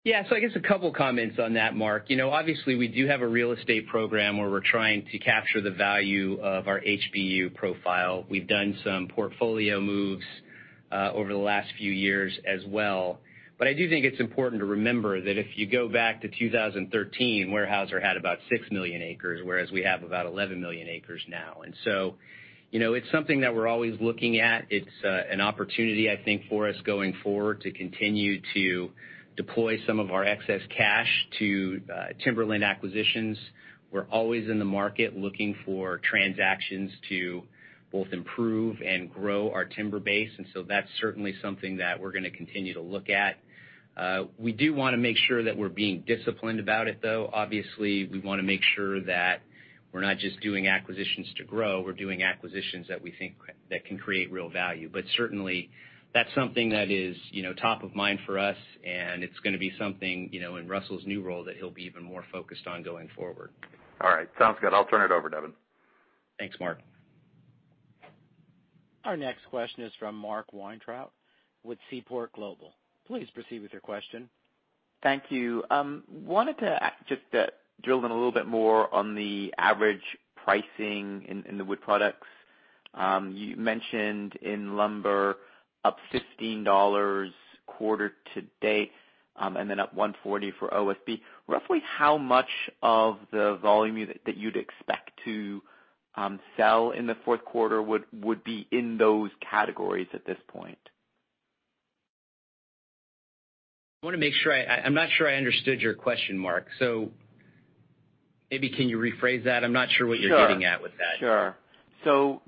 Yeah. So I guess a couple of comments on that, Mark. Obviously, we do have a real estate program where we're trying to capture the value of our HBU profile. We've done some portfolio moves over the last few years as well. But I do think it's important to remember that if you go back to 2013, Weyerhaeuser had about 6 million acres, whereas we have about 11 million acres now. And so it's something that we're always looking at. It's an opportunity, I think, for us going forward to continue to deploy some of our excess cash to timberland acquisitions. We're always in the market looking for transactions to both improve and grow our timber base. And so that's certainly something that we're going to continue to look at. We do want to make sure that we're being disciplined about it, though. Obviously, we want to make sure that we're not just doing acquisitions to grow. We're doing acquisitions that we think can create real value, but certainly, that's something that is top of mind for us, and it's going to be something in Russell's new role that he'll be even more focused on going forward. All right. Sounds good. I'll turn it over, Devin. Thanks, Mark. Our next question is from Mark Weintraub with Seaport Global. Please proceed with your question. Thank you. Wanted to just drill in a little bit more on the average pricing in the wood products. You mentioned in lumber up $15 quarter to date and then up $140 for OSB. Roughly how much of the volume that you'd expect to sell in the fourth quarter would be in those categories at this point? I want to make sure I'm not sure I understood your question, Mark. So maybe can you rephrase that? I'm not sure what you're getting at with that. Sure. So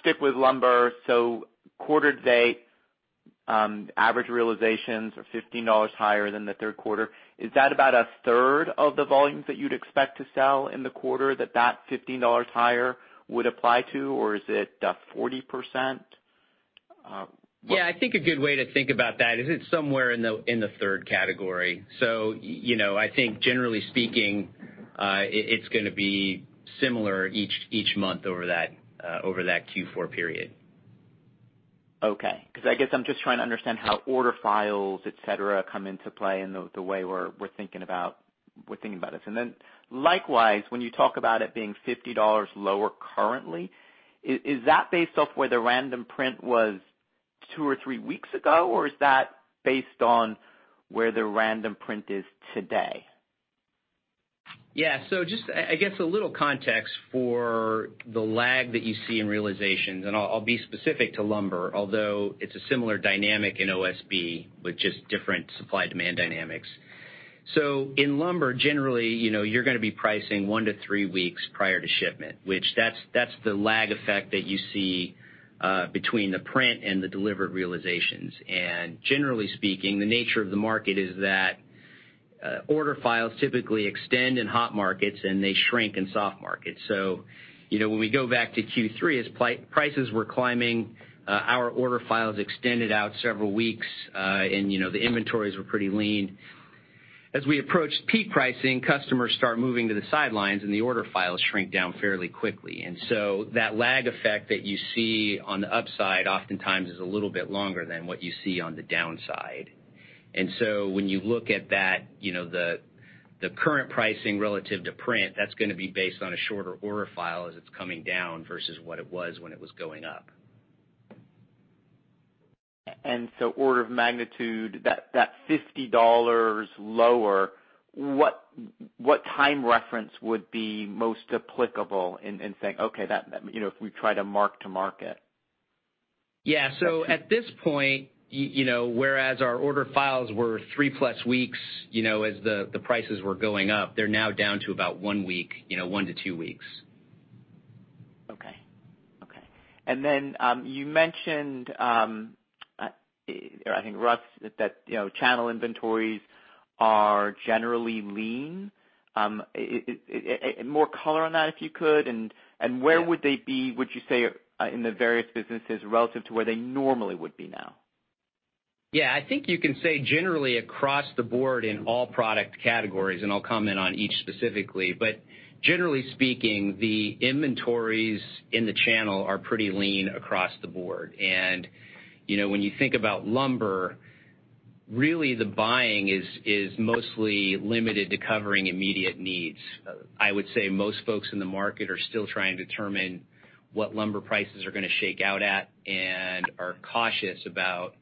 stick with lumber. So quarter to date, average realizations are $15 higher than the third quarter. Is that about a third of the volume that you'd expect to sell in the quarter that that $15 higher would apply to, or is it 40%? Yeah. I think a good way to think about that is it's somewhere in the third category. So I think, generally speaking, it's going to be similar each month over that Q4 period. Okay. Because I guess I'm just trying to understand how order files, etc., come into play in the way we're thinking about this, and then likewise, when you talk about it being $50 lower currently, is that based off where the Random Lengths was two or three weeks ago, or is that based on where the Random Lengths is today? Yeah. So just, I guess, a little context for the lag that you see in realizations. And I'll be specific to lumber, although it's a similar dynamic in OSB with just different supply-demand dynamics. So in lumber, generally, you're going to be pricing one to three weeks prior to shipment, which, that's the lag effect that you see between the print and the delivered realizations. And generally speaking, the nature of the market is that order files typically extend in hot markets, and they shrink in soft markets. So when we go back to Q3, as prices were climbing, our order files extended out several weeks, and the inventories were pretty lean. As we approached peak pricing, customers start moving to the sidelines, and the order files shrink down fairly quickly. That lag effect that you see on the upside oftentimes is a little bit longer than what you see on the downside. And so when you look at that, the current pricing relative to print, that's going to be based on a shorter order file as it's coming down versus what it was when it was going up. And so order of magnitude, that $50 lower, what time reference would be most applicable in saying, "Okay, if we try to mark to market"? Yeah. So at this point, whereas our order files were three-plus weeks as the prices were going up, they're now down to about one week, one to two weeks. Okay. Okay. And then you mentioned, I think, Russ, that channel inventories are generally lean. More color on that, if you could. And where would they be, would you say, in the various businesses relative to where they normally would be now? Yeah. I think you can say generally across the board in all product categories, and I'll comment on each specifically. But generally speaking, the inventories in the channel are pretty lean across the board. And when you think about lumber, really the buying is mostly limited to covering immediate needs. I would say most folks in the market are still trying to determine what lumber prices are going to shake out at and are cautious about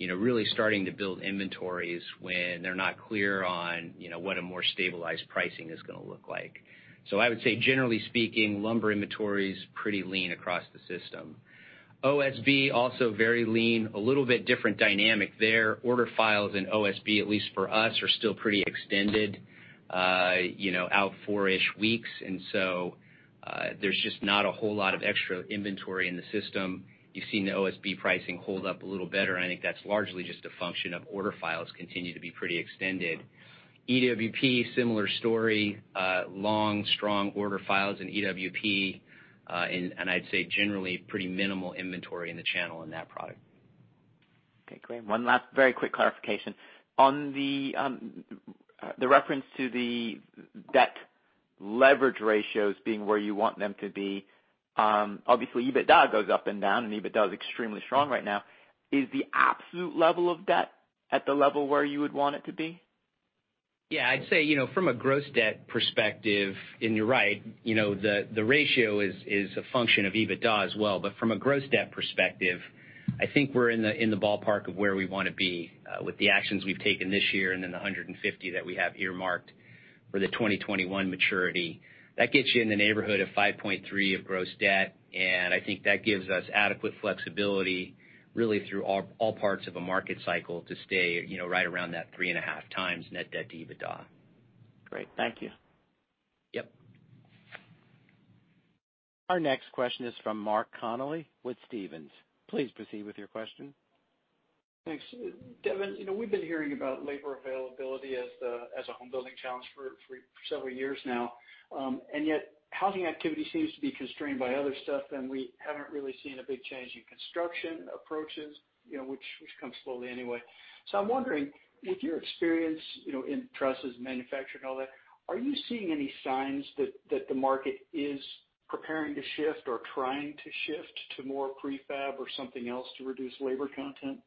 really starting to build inventories when they're not clear on what a more stabilized pricing is going to look like. So I would say, generally speaking, lumber inventory is pretty lean across the system. OSB also very lean, a little bit different dynamic there. Order files in OSB, at least for us, are still pretty extended out four-ish weeks. And so there's just not a whole lot of extra inventory in the system. You've seen the OSB pricing hold up a little better, and I think that's largely just a function of order files continue to be pretty extended. EWP, similar story, long, strong order files in EWP, and I'd say generally pretty minimal inventory in the channel in that product. Okay. Great. One last very quick clarification. On the reference to the debt leverage ratios being where you want them to be, obviously, EBITDA goes up and down, and EBITDA is extremely strong right now. Is the absolute level of debt at the level where you would want it to be? Yeah. I'd say from a gross debt perspective, and you're right, the ratio is a function of EBITDA as well. But from a gross debt perspective, I think we're in the ballpark of where we want to be with the actions we've taken this year and then the 150 that we have earmarked for the 2021 maturity. That gets you in the neighborhood of 5.3 of gross debt. And I think that gives us adequate flexibility really through all parts of a market cycle to stay right around that three and a half times net debt to EBITDA. Great. Thank you. Yep. Our next question is from Mark Connelly with Stephens. Please proceed with your question. Thanks. Devin, we've been hearing about labor availability as a home-building challenge for several years now, and yet housing activity seems to be constrained by other stuff, and we haven't really seen a big change in construction approaches, which comes slowly anyway, so I'm wondering, with your experience in trusses, manufacturing, and all that, are you seeing any signs that the market is preparing to shift or trying to shift to more prefab or something else to reduce labor content?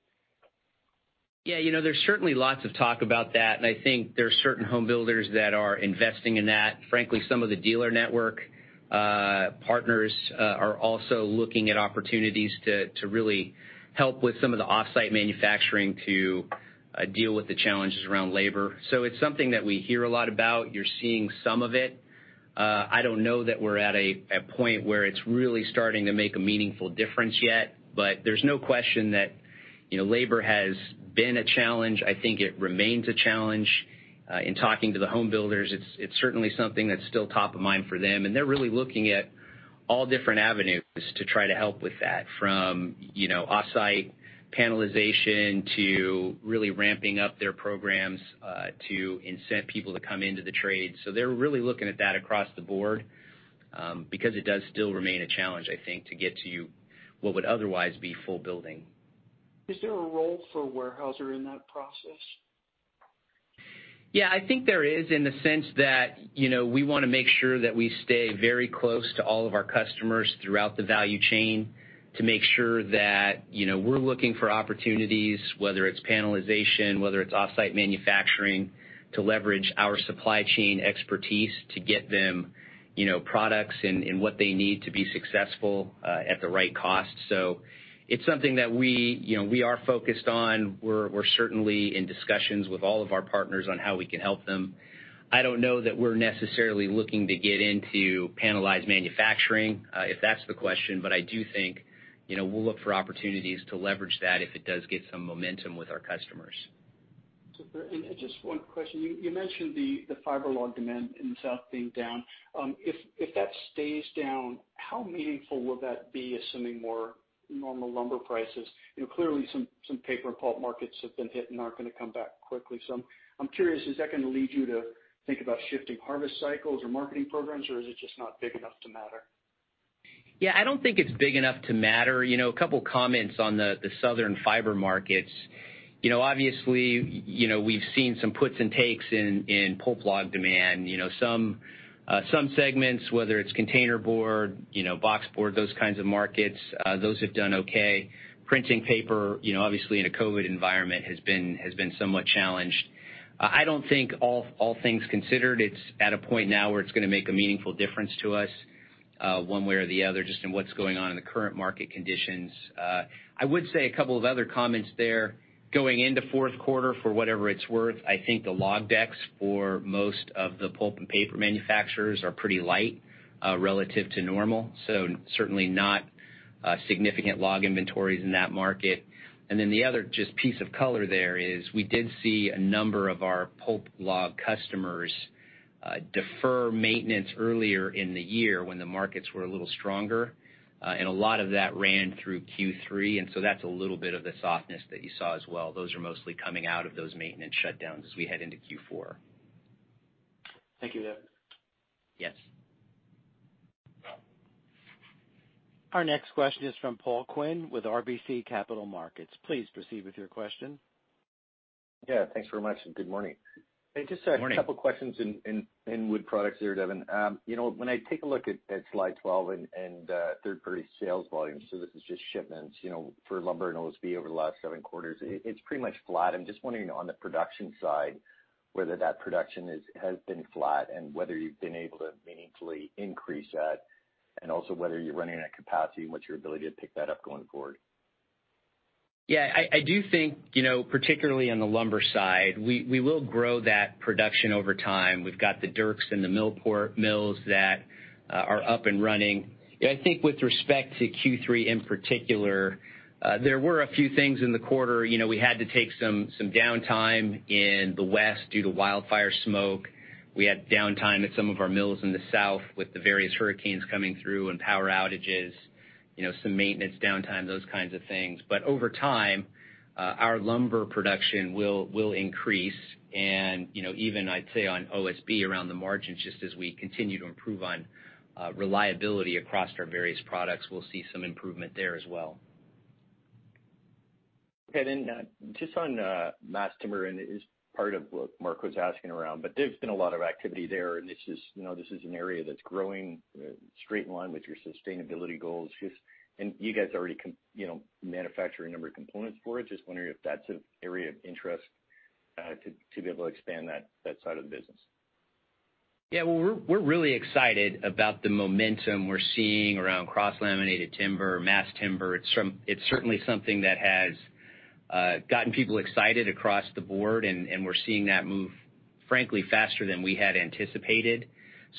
Yeah. There's certainly lots of talk about that. And I think there are certain home builders that are investing in that. Frankly, some of the dealer network partners are also looking at opportunities to really help with some of the off-site manufacturing to deal with the challenges around labor. So it's something that we hear a lot about. You're seeing some of it. I don't know that we're at a point where it's really starting to make a meaningful difference yet. But there's no question that labor has been a challenge. I think it remains a challenge. In talking to the home builders, it's certainly something that's still top of mind for them. And they're really looking at all different avenues to try to help with that, from off-site panelization to really ramping up their programs to incent people to come into the trade. So they're really looking at that across the board because it does still remain a challenge, I think, to get to what would otherwise be full building. Is there a role for Weyerhaeuser in that process? Yeah. I think there is in the sense that we want to make sure that we stay very close to all of our customers throughout the value chain to make sure that we're looking for opportunities, whether it's panelization, whether it's off-site manufacturing, to leverage our supply chain expertise to get them products and what they need to be successful at the right cost. So it's something that we are focused on. We're certainly in discussions with all of our partners on how we can help them. I don't know that we're necessarily looking to get into panelized manufacturing, if that's the question. But I do think we'll look for opportunities to leverage that if it does get some momentum with our customers. Super. And just one question. You mentioned the fiber log demand in the South being down. If that stays down, how meaningful will that be, assuming more normal lumber prices? Clearly, some paper and pulp markets have been hit and aren't going to come back quickly. So I'm curious, is that going to lead you to think about shifting harvest cycles or marketing programs, or is it just not big enough to matter? Yeah. I don't think it's big enough to matter. A couple of comments on the Southern fiber markets. Obviously, we've seen some puts and takes in pulp log demand. Some segments, whether it's containerboard, boxboard, those kinds of markets, those have done okay. Printing paper, obviously, in a COVID environment has been somewhat challenged. I don't think, all things considered, it's at a point now where it's going to make a meaningful difference to us one way or the other just in what's going on in the current market conditions. I would say a couple of other comments there. Going into fourth quarter, for whatever it's worth, I think the log decks for most of the pulp and paper manufacturers are pretty light relative to normal. So certainly not significant log inventories in that market. Then the other just piece of color there is, we did see a number of our pulp log customers defer maintenance earlier in the year when the markets were a little stronger. A lot of that ran through Q3. So that's a little bit of the softness that you saw as well. Those are mostly coming out of those maintenance shutdowns as we head into Q4. Thank you, Devin. Yes. Our next question is from Paul Quinn with RBC Capital Markets. Please proceed with your question. Yeah. Thanks very much. And good morning. Hey, just a couple of questions in wood products there, Devin. When I take a look at Slide 12 and third-party sales volumes, so this is just shipments for lumber and OSB over the last seven quarters, it's pretty much flat. I'm just wondering on the production side whether that production has been flat and whether you've been able to meaningfully increase that, and also whether you're running at capacity and what's your ability to pick that up going forward. Yeah. I do think, particularly on the lumber side, we will grow that production over time. We've got the Dierks and the Millport mills that are up and running. I think with respect to Q3 in particular, there were a few things in the quarter. We had to take some downtime in the west due to wildfire smoke. We had downtime at some of our mills in the South with the various hurricanes coming through and power outages, some maintenance downtime, those kinds of things. But over time, our lumber production will increase. And even, I'd say, on OSB around the margins, just as we continue to improve on reliability across our various products, we'll see some improvement there as well. Okay. Then just on mass timber, and it is part of what Mark was asking around, but there's been a lot of activity there. And this is an area that's growing straight in line with your sustainability goals. And you guys already manufacture a number of components for it. Just wondering if that's an area of interest to be able to expand that side of the business. Yeah. Well, we're really excited about the momentum we're seeing around cross-laminated timber, mass timber. It's certainly something that has gotten people excited across the board, and we're seeing that move, frankly, faster than we had anticipated,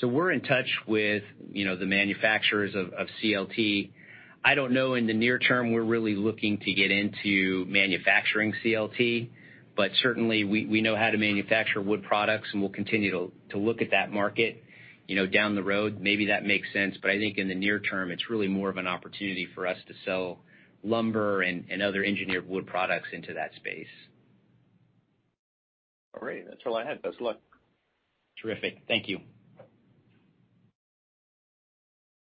so we're in touch with the manufacturers of CLT. I don't know in the near term. We're really looking to get into manufacturing CLT, but certainly, we know how to manufacture wood products, and we'll continue to look at that market down the road. Maybe that makes sense, but I think in the near term, it's really more of an opportunity for us to sell lumber and other engineered wood products into that space. All right. That's all I had. Best of luck. Terrific. Thank you.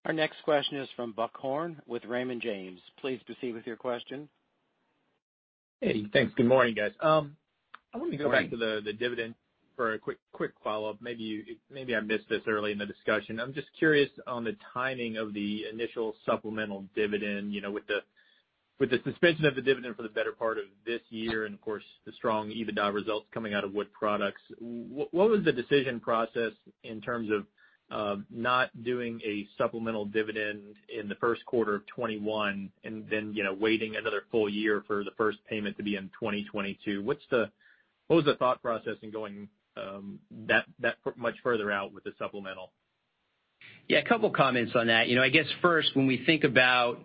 Our next question is from Buck Horne with Raymond James. Please proceed with your question. Hey. Thanks. Good morning, guys. I want to go back to the dividend for a quick follow-up. Maybe I missed this early in the discussion. I'm just curious on the timing of the initial supplemental dividend with the suspension of the dividend for the better part of this year and, of course, the strong EBITDA results coming out of wood products. What was the decision process in terms of not doing a supplemental dividend in the first quarter of 2021 and then waiting another full year for the first payment to be in 2022? What was the thought process in going that much further out with the supplemental? Yeah. A couple of comments on that. I guess, first, when we think about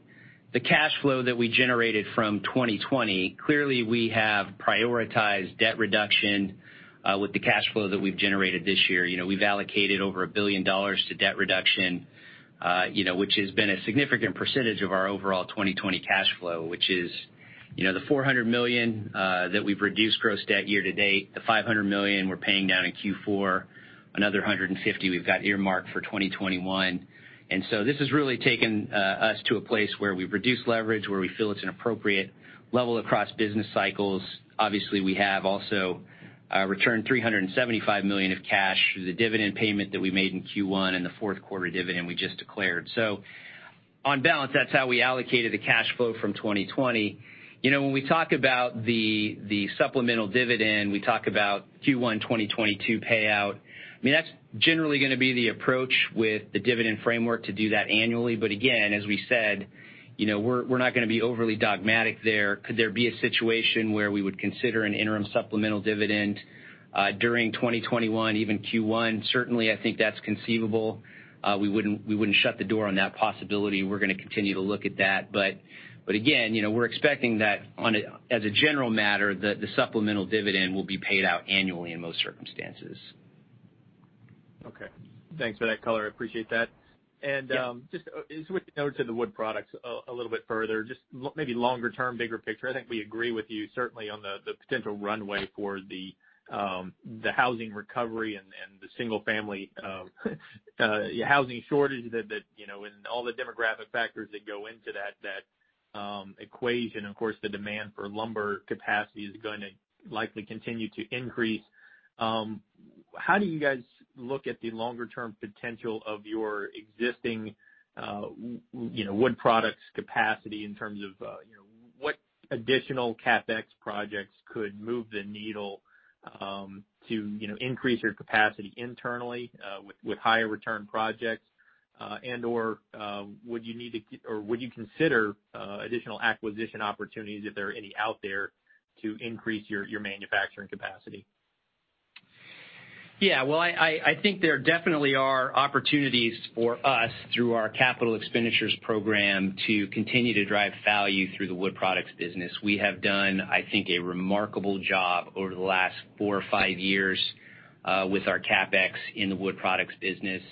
the cash flow that we generated from 2020, clearly, we have prioritized debt reduction with the cash flow that we've generated this year. We've allocated over $1 billion to debt reduction, which has been a significant percentage of our overall 2020 cash flow, which is the $400 million that we've reduced gross debt year to date, the $500 million we're paying down in Q4, another $150 million we've got earmarked for 2021. And so this has really taken us to a place where we've reduced leverage, where we feel it's an appropriate level across business cycles. Obviously, we have also returned $375 million of cash through the dividend payment that we made in Q1 and the fourth quarter dividend we just declared. So on balance, that's how we allocated the cash flow from 2020. When we talk about the supplemental dividend, we talk about Q1 2022 payout. I mean, that's generally going to be the approach with the dividend framework to do that annually. But again, as we said, we're not going to be overly dogmatic there. Could there be a situation where we would consider an interim supplemental dividend during 2021, even Q1? Certainly, I think that's conceivable. We wouldn't shut the door on that possibility. We're going to continue to look at that. But again, we're expecting that, as a general matter, the supplemental dividend will be paid out annually in most circumstances. Okay. Thanks for that color. I appreciate that. And just switching over to the wood products a little bit further, just maybe longer-term, bigger picture. I think we agree with you certainly on the potential runway for the housing recovery and the single-family housing shortage and all the demographic factors that go into that equation. Of course, the demand for lumber capacity is going to likely continue to increase. How do you guys look at the longer-term potential of your existing wood products capacity in terms of what additional CapEx projects could move the needle to increase your capacity internally with higher return projects? And/or would you need to or would you consider additional acquisition opportunities, if there are any out there, to increase your manufacturing capacity? Yeah. Well, I think there definitely are opportunities for us through our capital expenditures program to continue to drive value through the wood products business. We have done, I think, a remarkable job over the last four or five years with our CapEx in the wood products business.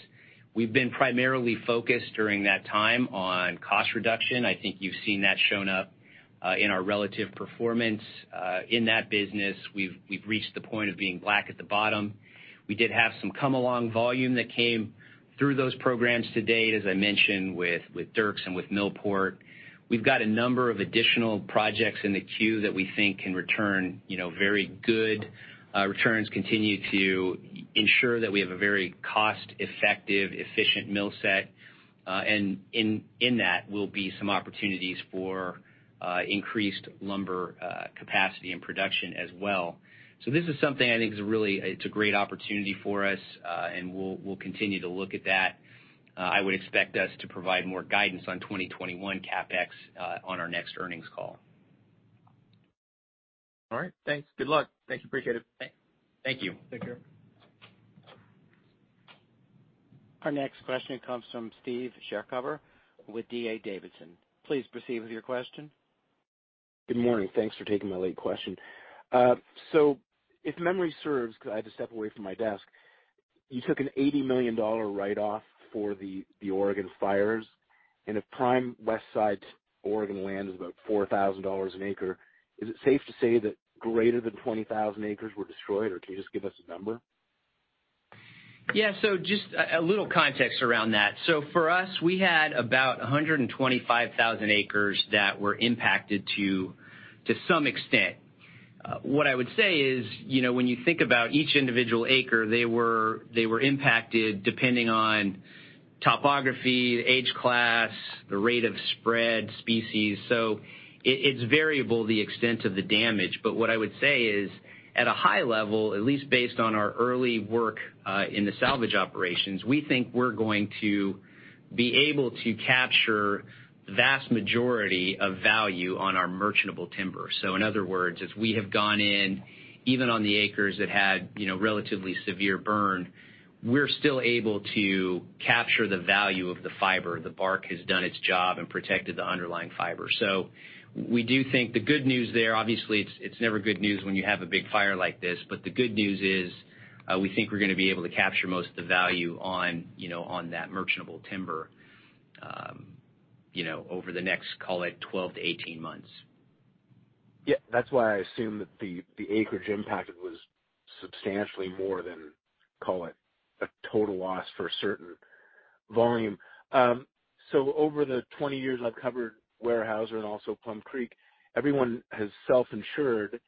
We've been primarily focused during that time on cost reduction. I think you've seen that shown up in our relative performance in that business. We've reached the point of being black at the bottom. We did have some come-along volume that came through those programs to date, as I mentioned, with Dierks and with Millport. We've got a number of additional projects in the queue that we think can return very good returns. Continue to ensure that we have a very cost-effective, efficient mill set. And in that, will be some opportunities for increased lumber capacity and production as well. So this is something I think is really a great opportunity for us, and we'll continue to look at that. I would expect us to provide more guidance on 2021 CapEx on our next earnings call. All right. Thanks. Good luck. Thank you. Appreciate it. Thank you. Take care. Our next question comes from Steve Chercover with D.A. Davidson. Please proceed with your question. Good morning. Thanks for taking my late question. So if memory serves because I have to step away from my desk, you took an $80 million write-off for the Oregon fires. And if prime west side Oregon land is about $4,000 an acre, is it safe to say that greater than 20,000 acres were destroyed, or can you just give us a number? Yeah. So just a little context around that. So for us, we had about 125,000 acres that were impacted to some extent. What I would say is when you think about each individual acre, they were impacted depending on topography, age class, the rate of spread, species. So it's variable, the extent of the damage. But what I would say is, at a high level, at least based on our early work in the salvage operations, we think we're going to be able to capture the vast majority of value on our merchantable timber. So in other words, as we have gone in, even on the acres that had relatively severe burn, we're still able to capture the value of the fiber. The bark has done its job and protected the underlying fiber. So we do think the good news there, obviously, it's never good news when you have a big fire like this. But the good news is we think we're going to be able to capture most of the value on that merchantable timber over the next, call it, 12-18 months. Yeah. That's why I assume that the acreage impacted was substantially more than, call it, a total loss for a certain volume. So over the 20 years I've covered Weyerhaeuser and also Plum Creek, everyone has self-insured.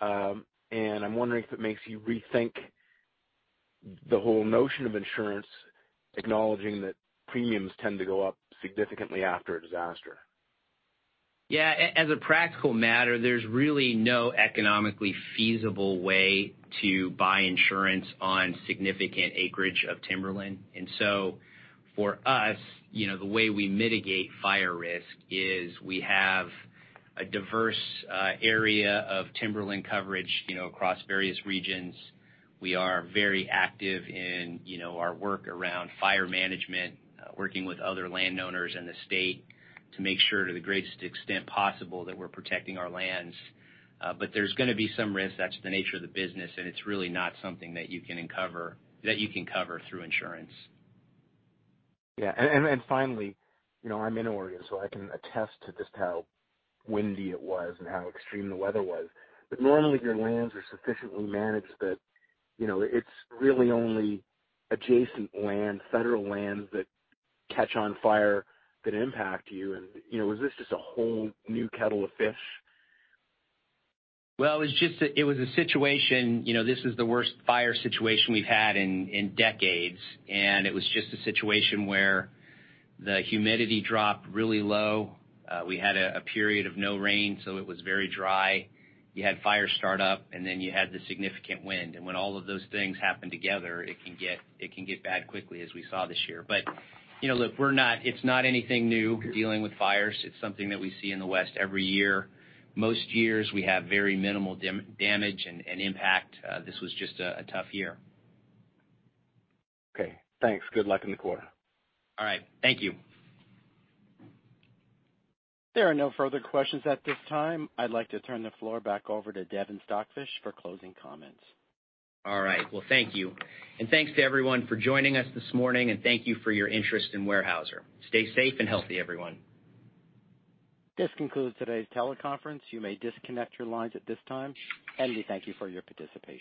And I'm wondering if it makes you rethink the whole notion of insurance, acknowledging that premiums tend to go up significantly after a disaster. Yeah. As a practical matter, there's really no economically feasible way to buy insurance on significant acreage of timberland. And so for us, the way we mitigate fire risk is we have a diverse area of timberland coverage across various regions. We are very active in our work around fire management, working with other landowners in the state to make sure to the greatest extent possible that we're protecting our lands. But there's going to be some risk. That's the nature of the business. And it's really not something that you can cover through insurance. Yeah. And then finally, I'm in Oregon, so I can attest to just how windy it was and how extreme the weather was. But normally, your lands are sufficiently managed that it's really only adjacent land, federal lands that catch on fire that impact you. And was this just a whole new kettle of fish? It was a situation. This is the worst fire situation we've had in decades. It was just a situation where the humidity dropped really low. We had a period of no rain, so it was very dry. You had fire start-up, and then you had the significant wind. And when all of those things happen together, it can get bad quickly, as we saw this year. Look, it's not anything new dealing with fires. It's something that we see in the West every year. Most years, we have very minimal damage and impact. This was just a tough year. Okay. Thanks. Good luck in the quarter. All right. Thank you. There are no further questions at this time. I'd like to turn the floor back over to Devin Stockfish for closing comments. All right. Well, thank you. And thanks to everyone for joining us this morning. And thank you for your interest in Weyerhaeuser. Stay safe and healthy, everyone. This concludes today's teleconference. You may disconnect your lines at this time, and we thank you for your participation.